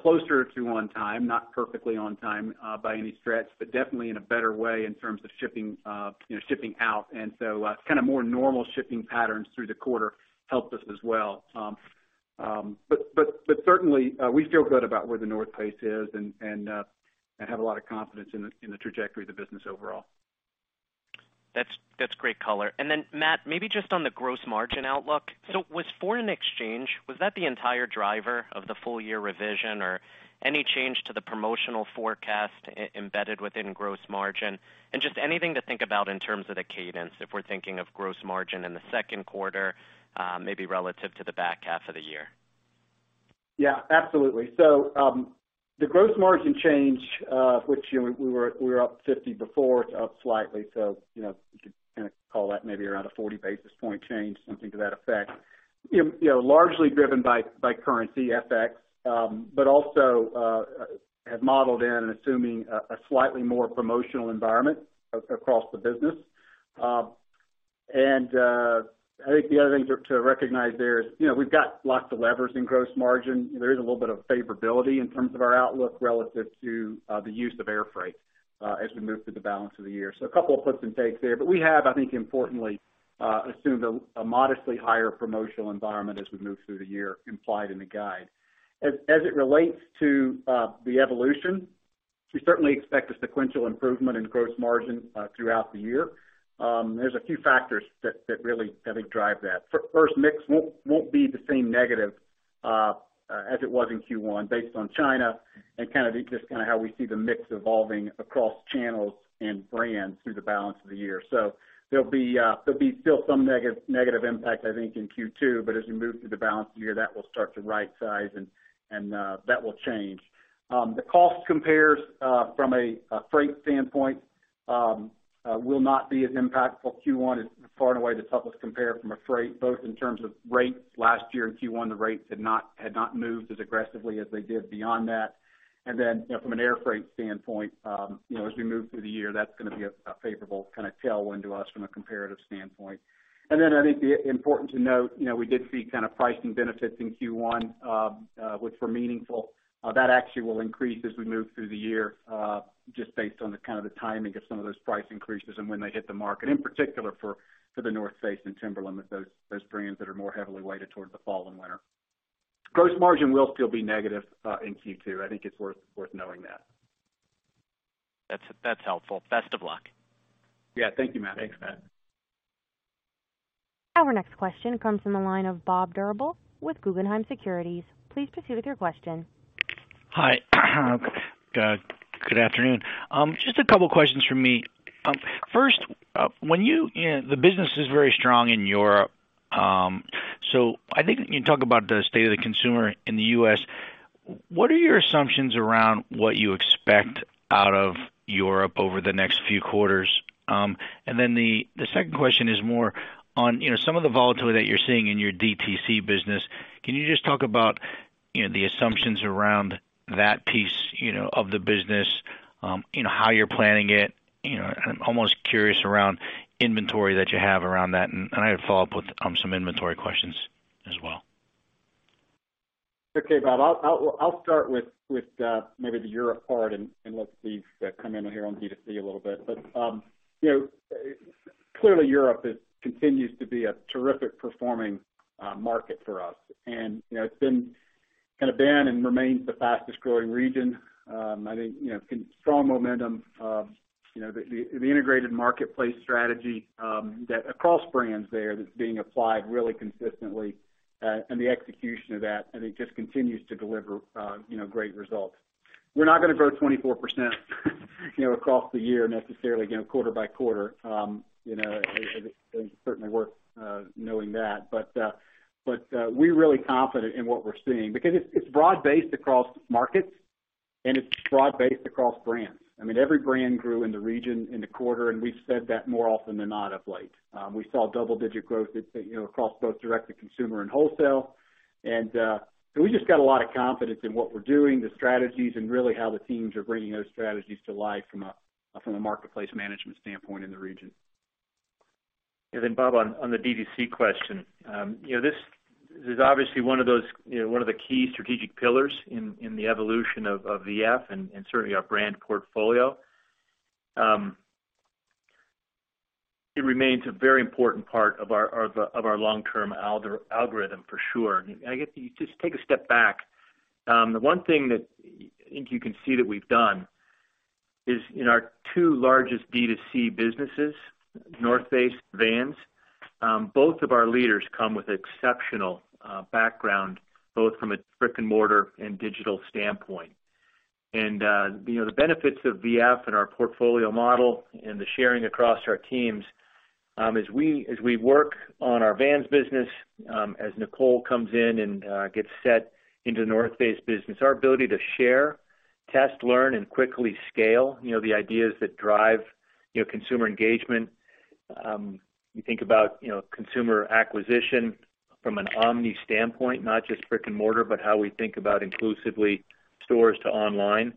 Speaker 4: closer to on time, not perfectly on time by any stretch, but definitely in a better way in terms of shipping, you know, shipping out. Kind of more normal shipping patterns through the quarter helped us as well. Certainly, we feel good about where The North Face is and have a lot of confidence in the trajectory of the business overall.
Speaker 7: That's great color. Then Matt, maybe just on the gross margin outlook. Was foreign exchange the entire driver of the full year revision? Or any change to the promotional forecast embedded within gross margin? Just anything to think about in terms of the cadence, if we're thinking of gross margin in the second quarter, maybe relative to the back half of the year.
Speaker 4: Yeah, absolutely. The gross margin change, which, you know, we were up 50 before, it's up slightly. You know, you could kinda call that maybe around a 40 basis point change, something to that effect. You know, largely driven by currency FX, but also have modeled in and assuming a slightly more promotional environment across the business. I think the other thing to recognize there is, you know, we've got lots of levers in gross margin. There is a little bit of favorability in terms of our outlook relative to the use of air freight as we move through the balance of the year. A couple of puts and takes there. We have, I think, importantly, assumed a modestly higher promotional environment as we move through the year implied in the guide. As it relates to the evolution, we certainly expect a sequential improvement in gross margin throughout the year. There's a few factors that really, I think, drive that. First, mix won't be the same negative as it was in Q1 based on China and kind of just how we see the mix evolving across channels and brands through the balance of the year. So there'll be still some negative impact, I think, in Q2. As we move through the balance of the year, that will start to right size and that will change. The cost comps from a freight standpoint will not be as impactful. Q1 is far and away the toughest comp from a freight, both in terms of rates. Last year in Q1, the rates had not moved as aggressively as they did beyond that. Then, you know, from an air freight standpoint, you know, as we move through the year, that's gonna be a favorable kind of tailwind to us from a comparative standpoint. Then I think it's important to note, you know, we did see kind of pricing benefits in Q1, which were meaningful. That actually will increase as we move through the year, just based on the kind of timing of some of those price increases and when they hit the market. In particular for The North Face and Timberland, with those brands that are more heavily weighted towards the fall and winter. Gross margin will still be negative in Q2. I think it's worth knowing that.
Speaker 7: That's helpful. Best of luck.
Speaker 4: Yeah. Thank you, Matt.
Speaker 3: Thanks, Matt.
Speaker 1: Our next question comes from the line of Bob Drbul with Guggenheim Securities. Please proceed with your question.
Speaker 8: Hi. Good afternoon. Just a couple questions from me. First, the business is very strong in Europe, so I think you can talk about the state of the consumer in the U.S. What are your assumptions around what you expect out of Europe over the next few quarters? And then the second question is more on, you know, some of the volatility that you're seeing in your DTC business. Can you just talk about, you know, the assumptions around that piece, you know, of the business, how you're planning it, you know, I'm almost curious around inventory that you have around that. I follow up with some inventory questions as well.
Speaker 4: Okay, Bob, I'll start with maybe the Europe part, and let Steve come in here on D2C a little bit. You know, clearly Europe continues to be a terrific performing market for us. You know, it's been and remains the fastest growing region. I think strong momentum of the integrated marketplace strategy that across brands there that's being applied really consistently, and the execution of that, I think just continues to deliver great results. We're not gonna grow 24% across the year necessarily, you know, quarter by quarter. You know, and certainly worth knowing that. We're really confident in what we're seeing because it's broad-based across markets, and it's broad-based across brands. I mean, every brand grew in the region in the quarter, and we've said that more often than not of late. We saw double-digit growth, you know, across both direct to consumer and wholesale. We just got a lot of confidence in what we're doing, the strategies and really how the teams are bringing those strategies to life from a marketplace management standpoint in the region.
Speaker 3: Bob, on the DTC question. You know, this is obviously one of those, you know, one of the key strategic pillars in the evolution of VF and certainly our brand portfolio. It remains a very important part of our long-term algorithm for sure. I guess, if you just take a step back, the one thing that I think you can see that we've done is in our two largest D2C businesses, The North Face, Vans, both of our leaders come with exceptional background, both from a brick-and-mortar and digital standpoint. You know, the benefits of VF and our portfolio model and the sharing across our teams, as we work on our Vans business, as Nicole comes in and gets set into The North Face business, our ability to share, test, learn, and quickly scale, you know, the ideas that drive, you know, consumer engagement. You think about, you know, consumer acquisition from an omni standpoint, not just brick and mortar, but how we think about including stores to online.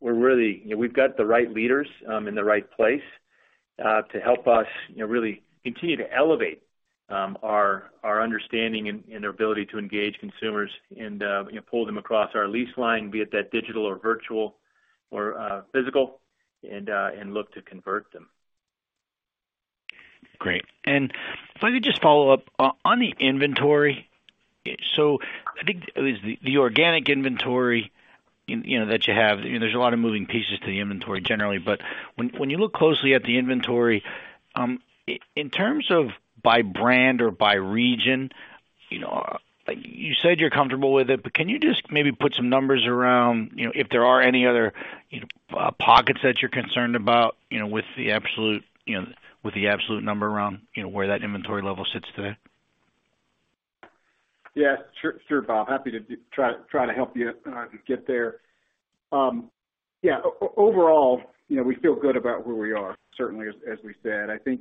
Speaker 3: We're really you know we've got the right leaders in the right place to help us, you know, really continue to elevate our understanding and ability to engage consumers and, you know, pull them across our lifecycle, be it that digital or virtual or physical, and look to convert them.
Speaker 8: Great. If I could just follow up on the inventory. I think at least the organic inventory, you know, that you have, there's a lot of moving pieces to the inventory generally, but when you look closely at the inventory, in terms of by brand or by region, you know, you said you're comfortable with it, but can you just maybe put some numbers around, you know, if there are any other, you know, pockets that you're concerned about, you know, with the absolute number around, you know, where that inventory level sits today?
Speaker 4: Yeah. Sure, Bob. Happy to try to help you get there. Yeah, overall, you know, we feel good about where we are, certainly as we said. I think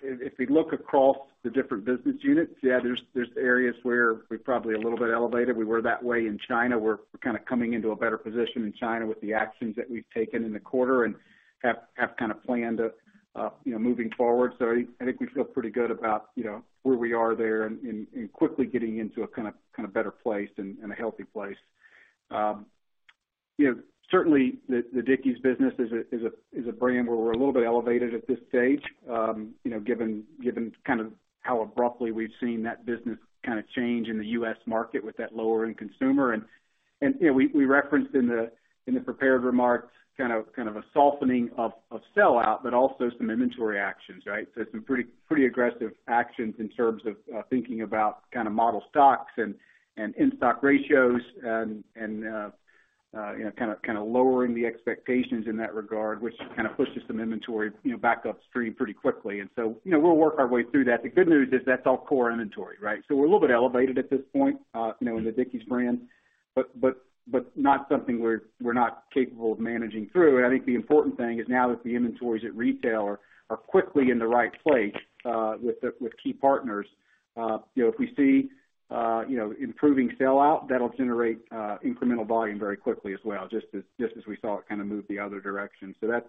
Speaker 4: if we look across the different business units, yeah, there's areas where we're probably a little bit elevated. We were that way in China. We're kind of coming into a better position in China with the actions that we've taken in the quarter and have kind of planned, you know, moving forward. I think we feel pretty good about, you know, where we are there and quickly getting into a kind of better place and a healthy place. You know, certainly the Dickies business is a brand where we're a little bit elevated at this stage, you know, given kind of how abruptly we've seen that business kind of change in the U.S. market with that lower end consumer. You know, we referenced in the prepared remarks kind of a softening of sell out, but also some inventory actions, right? Some pretty aggressive actions in terms of thinking about kind of model stocks and in-stock ratios and you know, kind of lowering the expectations in that regard, which kind of pushes some inventory, you know, back upstream pretty quickly. You know, we'll work our way through that. The good news is that's all core inventory, right? We're a little bit elevated at this point, you know, in the Dickies brand, but not something we're not capable of managing through. I think the important thing is now that the inventories at retail are quickly in the right place with key partners. You know, if we see improving sell out, that'll generate incremental volume very quickly as well, just as we saw it kind of move the other direction. That's,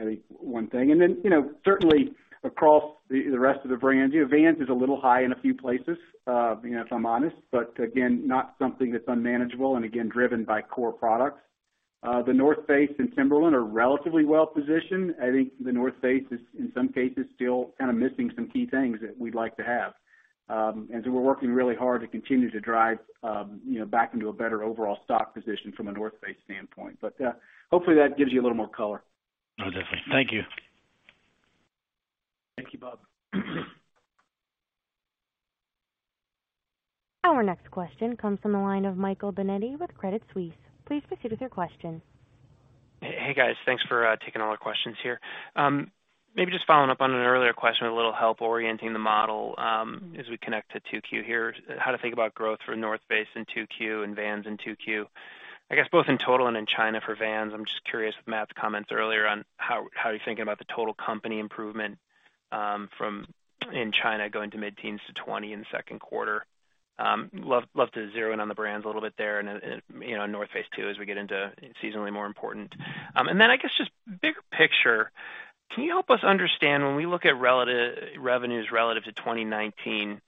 Speaker 4: I think, one thing. Then, you know, certainly across the rest of the brands, you know, Vans is a little high in a few places, you know, if I'm honest, but again, not something that's unmanageable and again, driven by core products. The North Face and Timberland are relatively well-positioned. I think The North Face is, in some cases, still kind of missing some key things that we'd like to have. We're working really hard to continue to drive, you know, back into a better overall stock position from a The North Face standpoint. Hopefully that gives you a little more color.
Speaker 8: No, definitely. Thank you.
Speaker 4: Thank you, Bob.
Speaker 1: Our next question comes from the line of Michael Binetti with Credit Suisse. Please proceed with your question.
Speaker 9: Hey, guys. Thanks for taking all our questions here. Maybe just following up on an earlier question with a little help orienting the model, as we connect to 2Q here, how to think about growth for North Face in 2Q and Vans in 2Q. I guess, both in total and in China for Vans, I'm just curious with Matt's comments earlier on how you're thinking about the total company improvement in China going to mid-teens to 20% in the second quarter. Love to zero in on the brands a little bit there and you know, North Face, too, as we get into seasonally more important. I guess just bigger picture, can you help us understand when we look at relative revenues relative to 2019,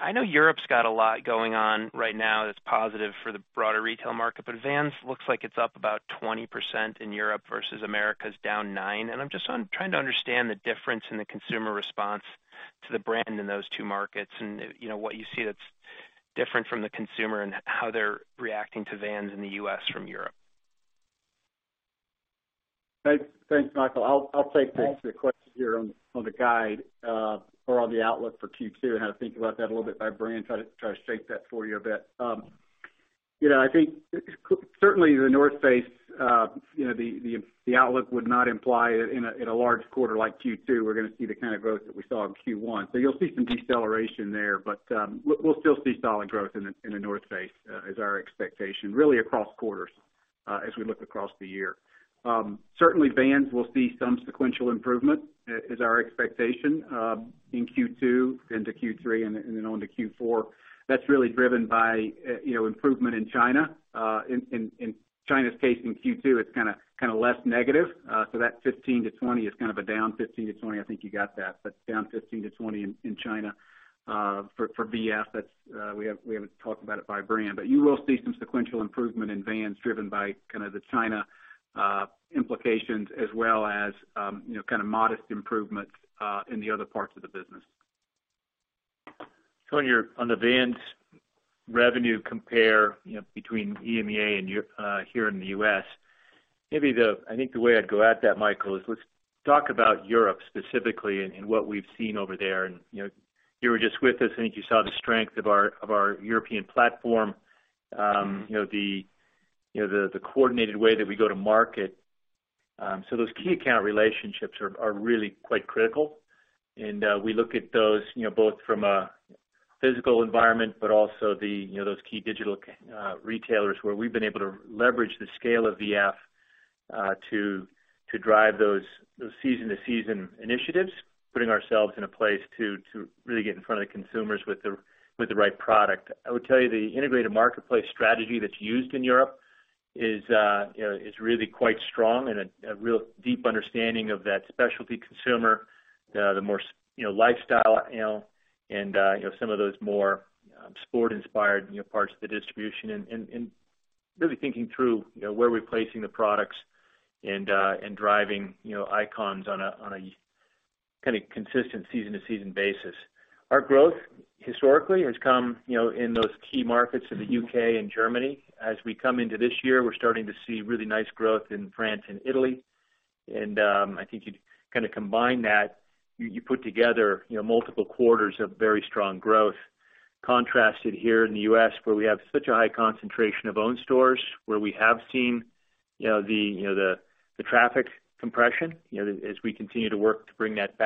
Speaker 9: I know Europe's got a lot going on right now that's positive for the broader retail market, but Vans looks like it's up about 20% in Europe versus America's down 9%. I'm just trying to understand the difference in the consumer response to the brand in those two markets and, you know, what you see that's different from the consumer and how they're reacting to Vans in the US from Europe.
Speaker 4: Thanks, Michael. I'll take the question here on the guide or on the outlook for Q2 and how to think about that a little bit by brand, try to shape that for you a bit. I think certainly The North Face, the outlook would not imply in a large quarter like Q2, we're gonna see the kind of growth that we saw in Q1. So you'll see some deceleration there, but we'll still see solid growth in The North Face as our expectation really across quarters as we look across the year. Certainly, Vans will see some sequential improvement is our expectation in Q2 into Q3 and then on to Q4. That's really driven by improvement in China. In China's case, in Q2, it's kinda less negative. So that 15%-20% is kind of a down 15%-20%. I think you got that, but down 15%-20% in China for VF. That's, we haven't talked about it by brand, but you will see some sequential improvement in Vans driven by kind of the China implications as well as, you know, kind of modest improvements in the other parts of the business.
Speaker 3: On the Vans revenue compare, you know, between EMEA and here in the U.S., I think the way I'd go at that, Michael, is let's talk about Europe specifically and what we've seen over there. You know, you were just with us, I think you saw the strength of our European platform. You know, the coordinated way that we go to market. Those key account relationships are really quite critical. We look at those, you know, both from a physical environment, but also the, you know, those key digital retailers where we've been able to leverage the scale of VF to drive those season to season initiatives, putting ourselves in a place to really get in front of the consumers with the right product. I would tell you the integrated marketplace strategy that's used in Europe is, you know, really quite strong and a real deep understanding of that specialty consumer, the more, you know, lifestyle, you know, and some of those more sport inspired parts of the distribution and really thinking through where we're placing the products and driving icons on a kinda consistent season to season basis. Our growth historically has come, you know, in those key markets of the U.K. and Germany. As we come into this year, we're starting to see really nice growth in France and Italy. I think you'd kinda combine that. You put together, you know, multiple quarters of very strong growth contrasted here in the U.S., where we have such a high concentration of own stores where we have seen, you know, the traffic compression, you know, as we continue to work to bring that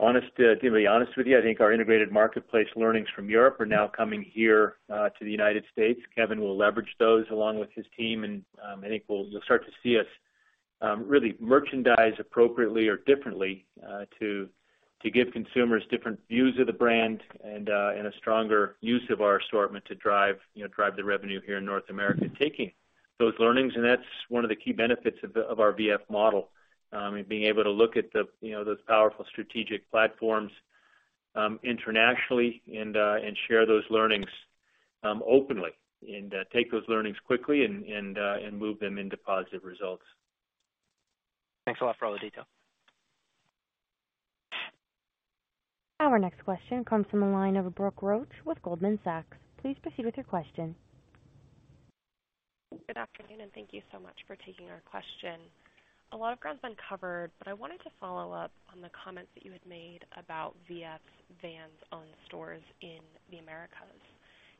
Speaker 3: back. To be honest with you, I think our integrated marketplace learnings from Europe are now coming here to the United States. Kevin will leverage those along with his team, and I think you'll start to see us really merchandise appropriately or differently to give consumers different views of the brand and a stronger use of our assortment to drive, you know, drive the revenue here in North America, taking those learnings, and that's one of the key benefits of our VF model in being able to look at, you know, those powerful strategic platforms internationally and share those learnings openly and take those learnings quickly and move them into positive results.
Speaker 9: Thanks a lot for all the detail.
Speaker 1: Our next question comes from the line of Brooke Roach with Goldman Sachs. Please proceed with your question.
Speaker 10: Good afternoon, and thank you so much for taking our question. A lot of ground's been covered, but I wanted to follow up on the comments that you had made about VF's Vans own stores in the Americas.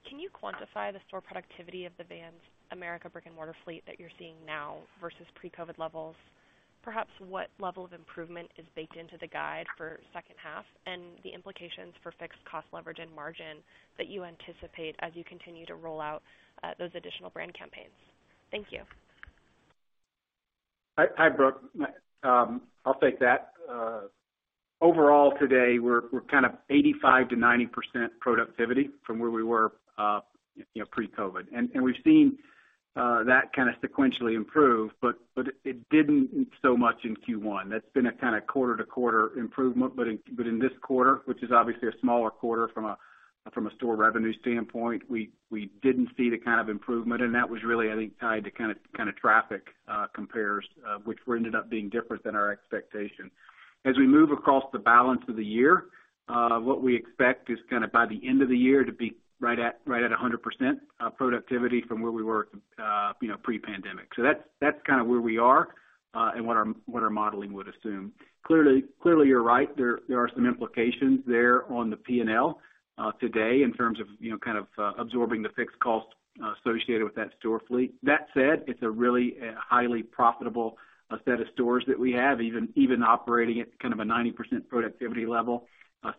Speaker 10: Can you quantify the store productivity of the Vans America brick and mortar fleet that you're seeing now versus pre-COVID levels? Perhaps what level of improvement is baked into the guide for second half, and the implications for fixed cost leverage and margin that you anticipate as you continue to roll out those additional brand campaigns? Thank you.
Speaker 4: Hi, Brooke. I'll take that. Overall, today, we're kind of 85%-90% productivity from where we were pre-COVID. We've seen that kinda sequentially improve, but it didn't so much in Q1. That's been a kinda quarter to quarter improvement. In this quarter, which is obviously a smaller quarter from a store revenue standpoint, we didn't see the kind of improvement, and that was really, I think, tied to kinda traffic compares, which ended up being different than our expectation. As we move across the balance of the year, what we expect is kinda by the end of the year to be right at 100% productivity from where we were pre-pandemic. That's kinda where we are, and what our modeling would assume. Clearly, you're right, there are some implications there on the P&L today in terms of, you know, kind of, absorbing the fixed costs associated with that store fleet. That said, it's a really highly profitable set of stores that we have, even operating at kind of a 90% productivity level.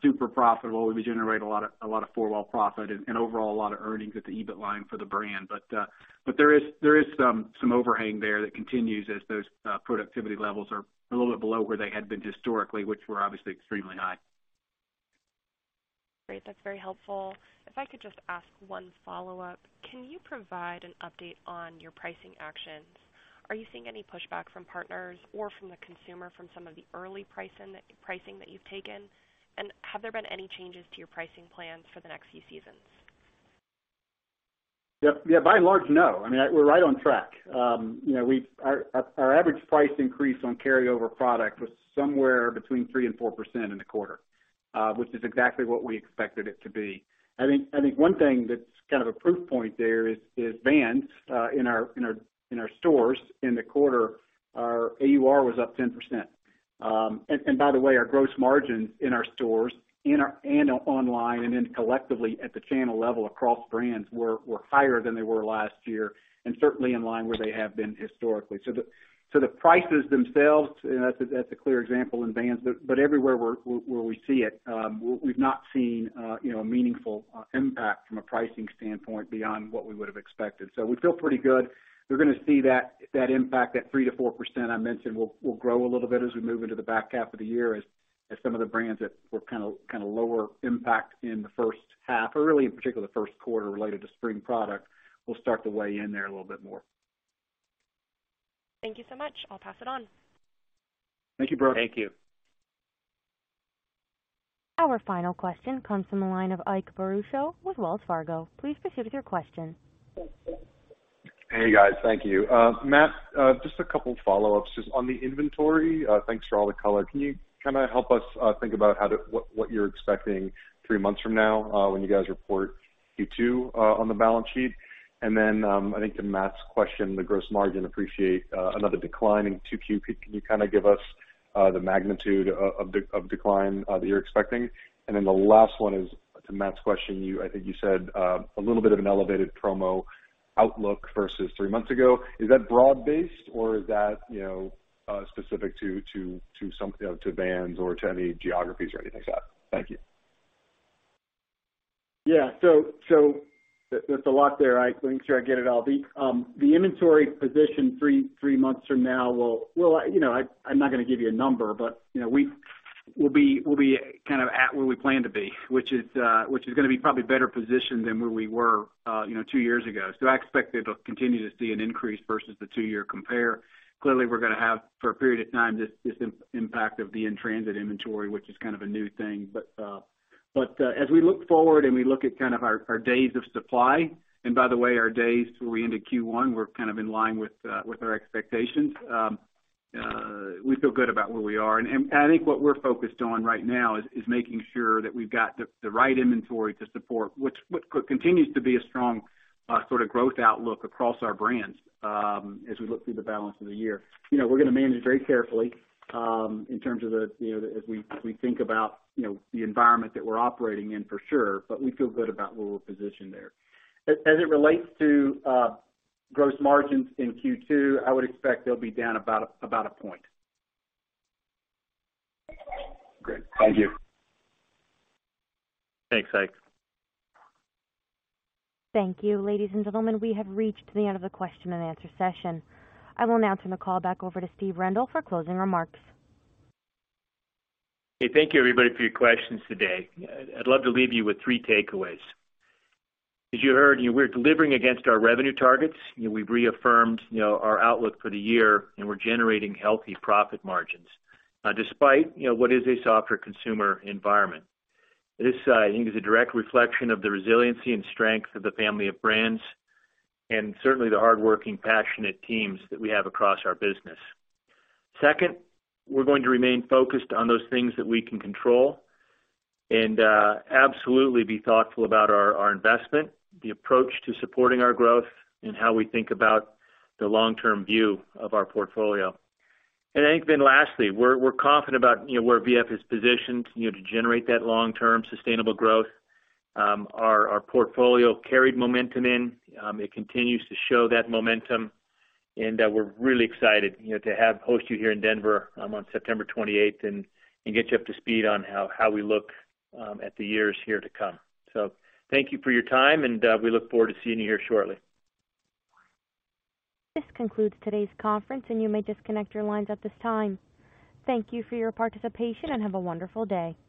Speaker 4: Super profitable. We generate a lot of four-wall profit and overall a lot of earnings at the EBIT line for the brand. But there is some overhang there that continues as those productivity levels are a little bit below where they had been historically, which were obviously extremely high.
Speaker 10: Great. That's very helpful. If I could just ask one follow-up. Can you provide an update on your pricing actions? Are you seeing any pushback from partners or from the consumer from some of the early pricing that you've taken? And have there been any changes to your pricing plans for the next few seasons?
Speaker 4: Yep. Yeah, by and large, no. I mean, we're right on track. Our average price increase on carryover product was somewhere between 3%-4% in the quarter, which is exactly what we expected it to be. I think one thing that's kind of a proof point there is Vans in our stores in the quarter. Our AUR was up 10%. By the way, our gross margins in our stores and online and then collectively at the channel level across brands were higher than they were last year and certainly in line where they have been historically. The prices themselves, and that's a clear example in Vans. Everywhere we see it, we've not seen, you know, a meaningful impact from a pricing standpoint beyond what we would have expected. We feel pretty good. You're gonna see that impact, that 3%-4% I mentioned, will grow a little bit as we move into the back half of the year as some of the brands that were kinda lower impact in the first half or really in particular the first quarter related to spring product will start to weigh in there a little bit more.
Speaker 10: Thank you so much. I'll pass it on.
Speaker 4: Thank you, Brooke.
Speaker 3: Thank you.
Speaker 1: Our final question comes from the line of Ike Boruchow with Wells Fargo. Please proceed with your question.
Speaker 11: Hey, guys. Thank you. Matt, just a couple follow-ups. Just on the inventory, thanks for all the color. Can you kinda help us think about what you're expecting three months from now, when you guys report Q2, on the balance sheet? Then, I think to Matt's question, the gross margin. I appreciate another decline in 2Q. Can you kinda give us the magnitude of decline that you're expecting? Then the last one is to Matt's question. I think you said a little bit of an elevated promo outlook versus three months ago. Is that broad-based, or is that, you know, specific to some to Vans or to any geographies or anything like that? Thank you.
Speaker 4: Yeah. That's a lot there, Ike. Let me make sure I get it all. The inventory position three months from now will, you know, I'm not gonna give you a number, but, you know, we'll be kind of at where we plan to be, which is gonna be probably better positioned than where we were, you know, two years ago. I expect that we'll continue to see an increase versus the two-year compare. Clearly, we're gonna have for a period of time this impact of the in-transit inventory, which is kind of a new thing. As we look forward and we look at kind of our days of supply, and by the way, our days when we ended Q1 were kind of in line with our expectations, we feel good about where we are. I think what we're focused on right now is making sure that we've got the right inventory to support what continues to be a strong sorta growth outlook across our brands, as we look through the balance of the year. You know, we're gonna manage very carefully in terms of you know as we think about you know the environment that we're operating in, for sure, but we feel good about where we're positioned there. As it relates to gross margins in Q2, I would expect they'll be down about a point.
Speaker 11: Great. Thank you.
Speaker 4: Thanks, Ike.
Speaker 1: Thank you. Ladies and gentlemen, we have reached the end of the Q&A session. I will now turn the call back over to Steve Rendle for closing remarks.
Speaker 3: Hey, thank you, everybody, for your questions today. I'd love to leave you with three takeaways. As you heard, we're delivering against our revenue targets. You know, we've reaffirmed, you know, our outlook for the year, and we're generating healthy profit margins despite, you know, what is a softer consumer environment. This, I think, is a direct reflection of the resiliency and strength of the family of brands and certainly the hardworking, passionate teams that we have across our business. Second, we're going to remain focused on those things that we can control and absolutely be thoughtful about our investment, the approach to supporting our growth, and how we think about the long-term view of our portfolio. I think then lastly, we're confident about, you know, where VF is positioned, you know, to generate that long-term sustainable growth. Our portfolio carried momentum. It continues to show that momentum, and we're really excited, you know, to host you here in Denver on September 28th and get you up to speed on how we look at the years here to come. Thank you for your time, and we look forward to seeing you here shortly.
Speaker 1: This concludes today's conference, and you may disconnect your lines at this time. Thank you for your participation, and have a wonderful day.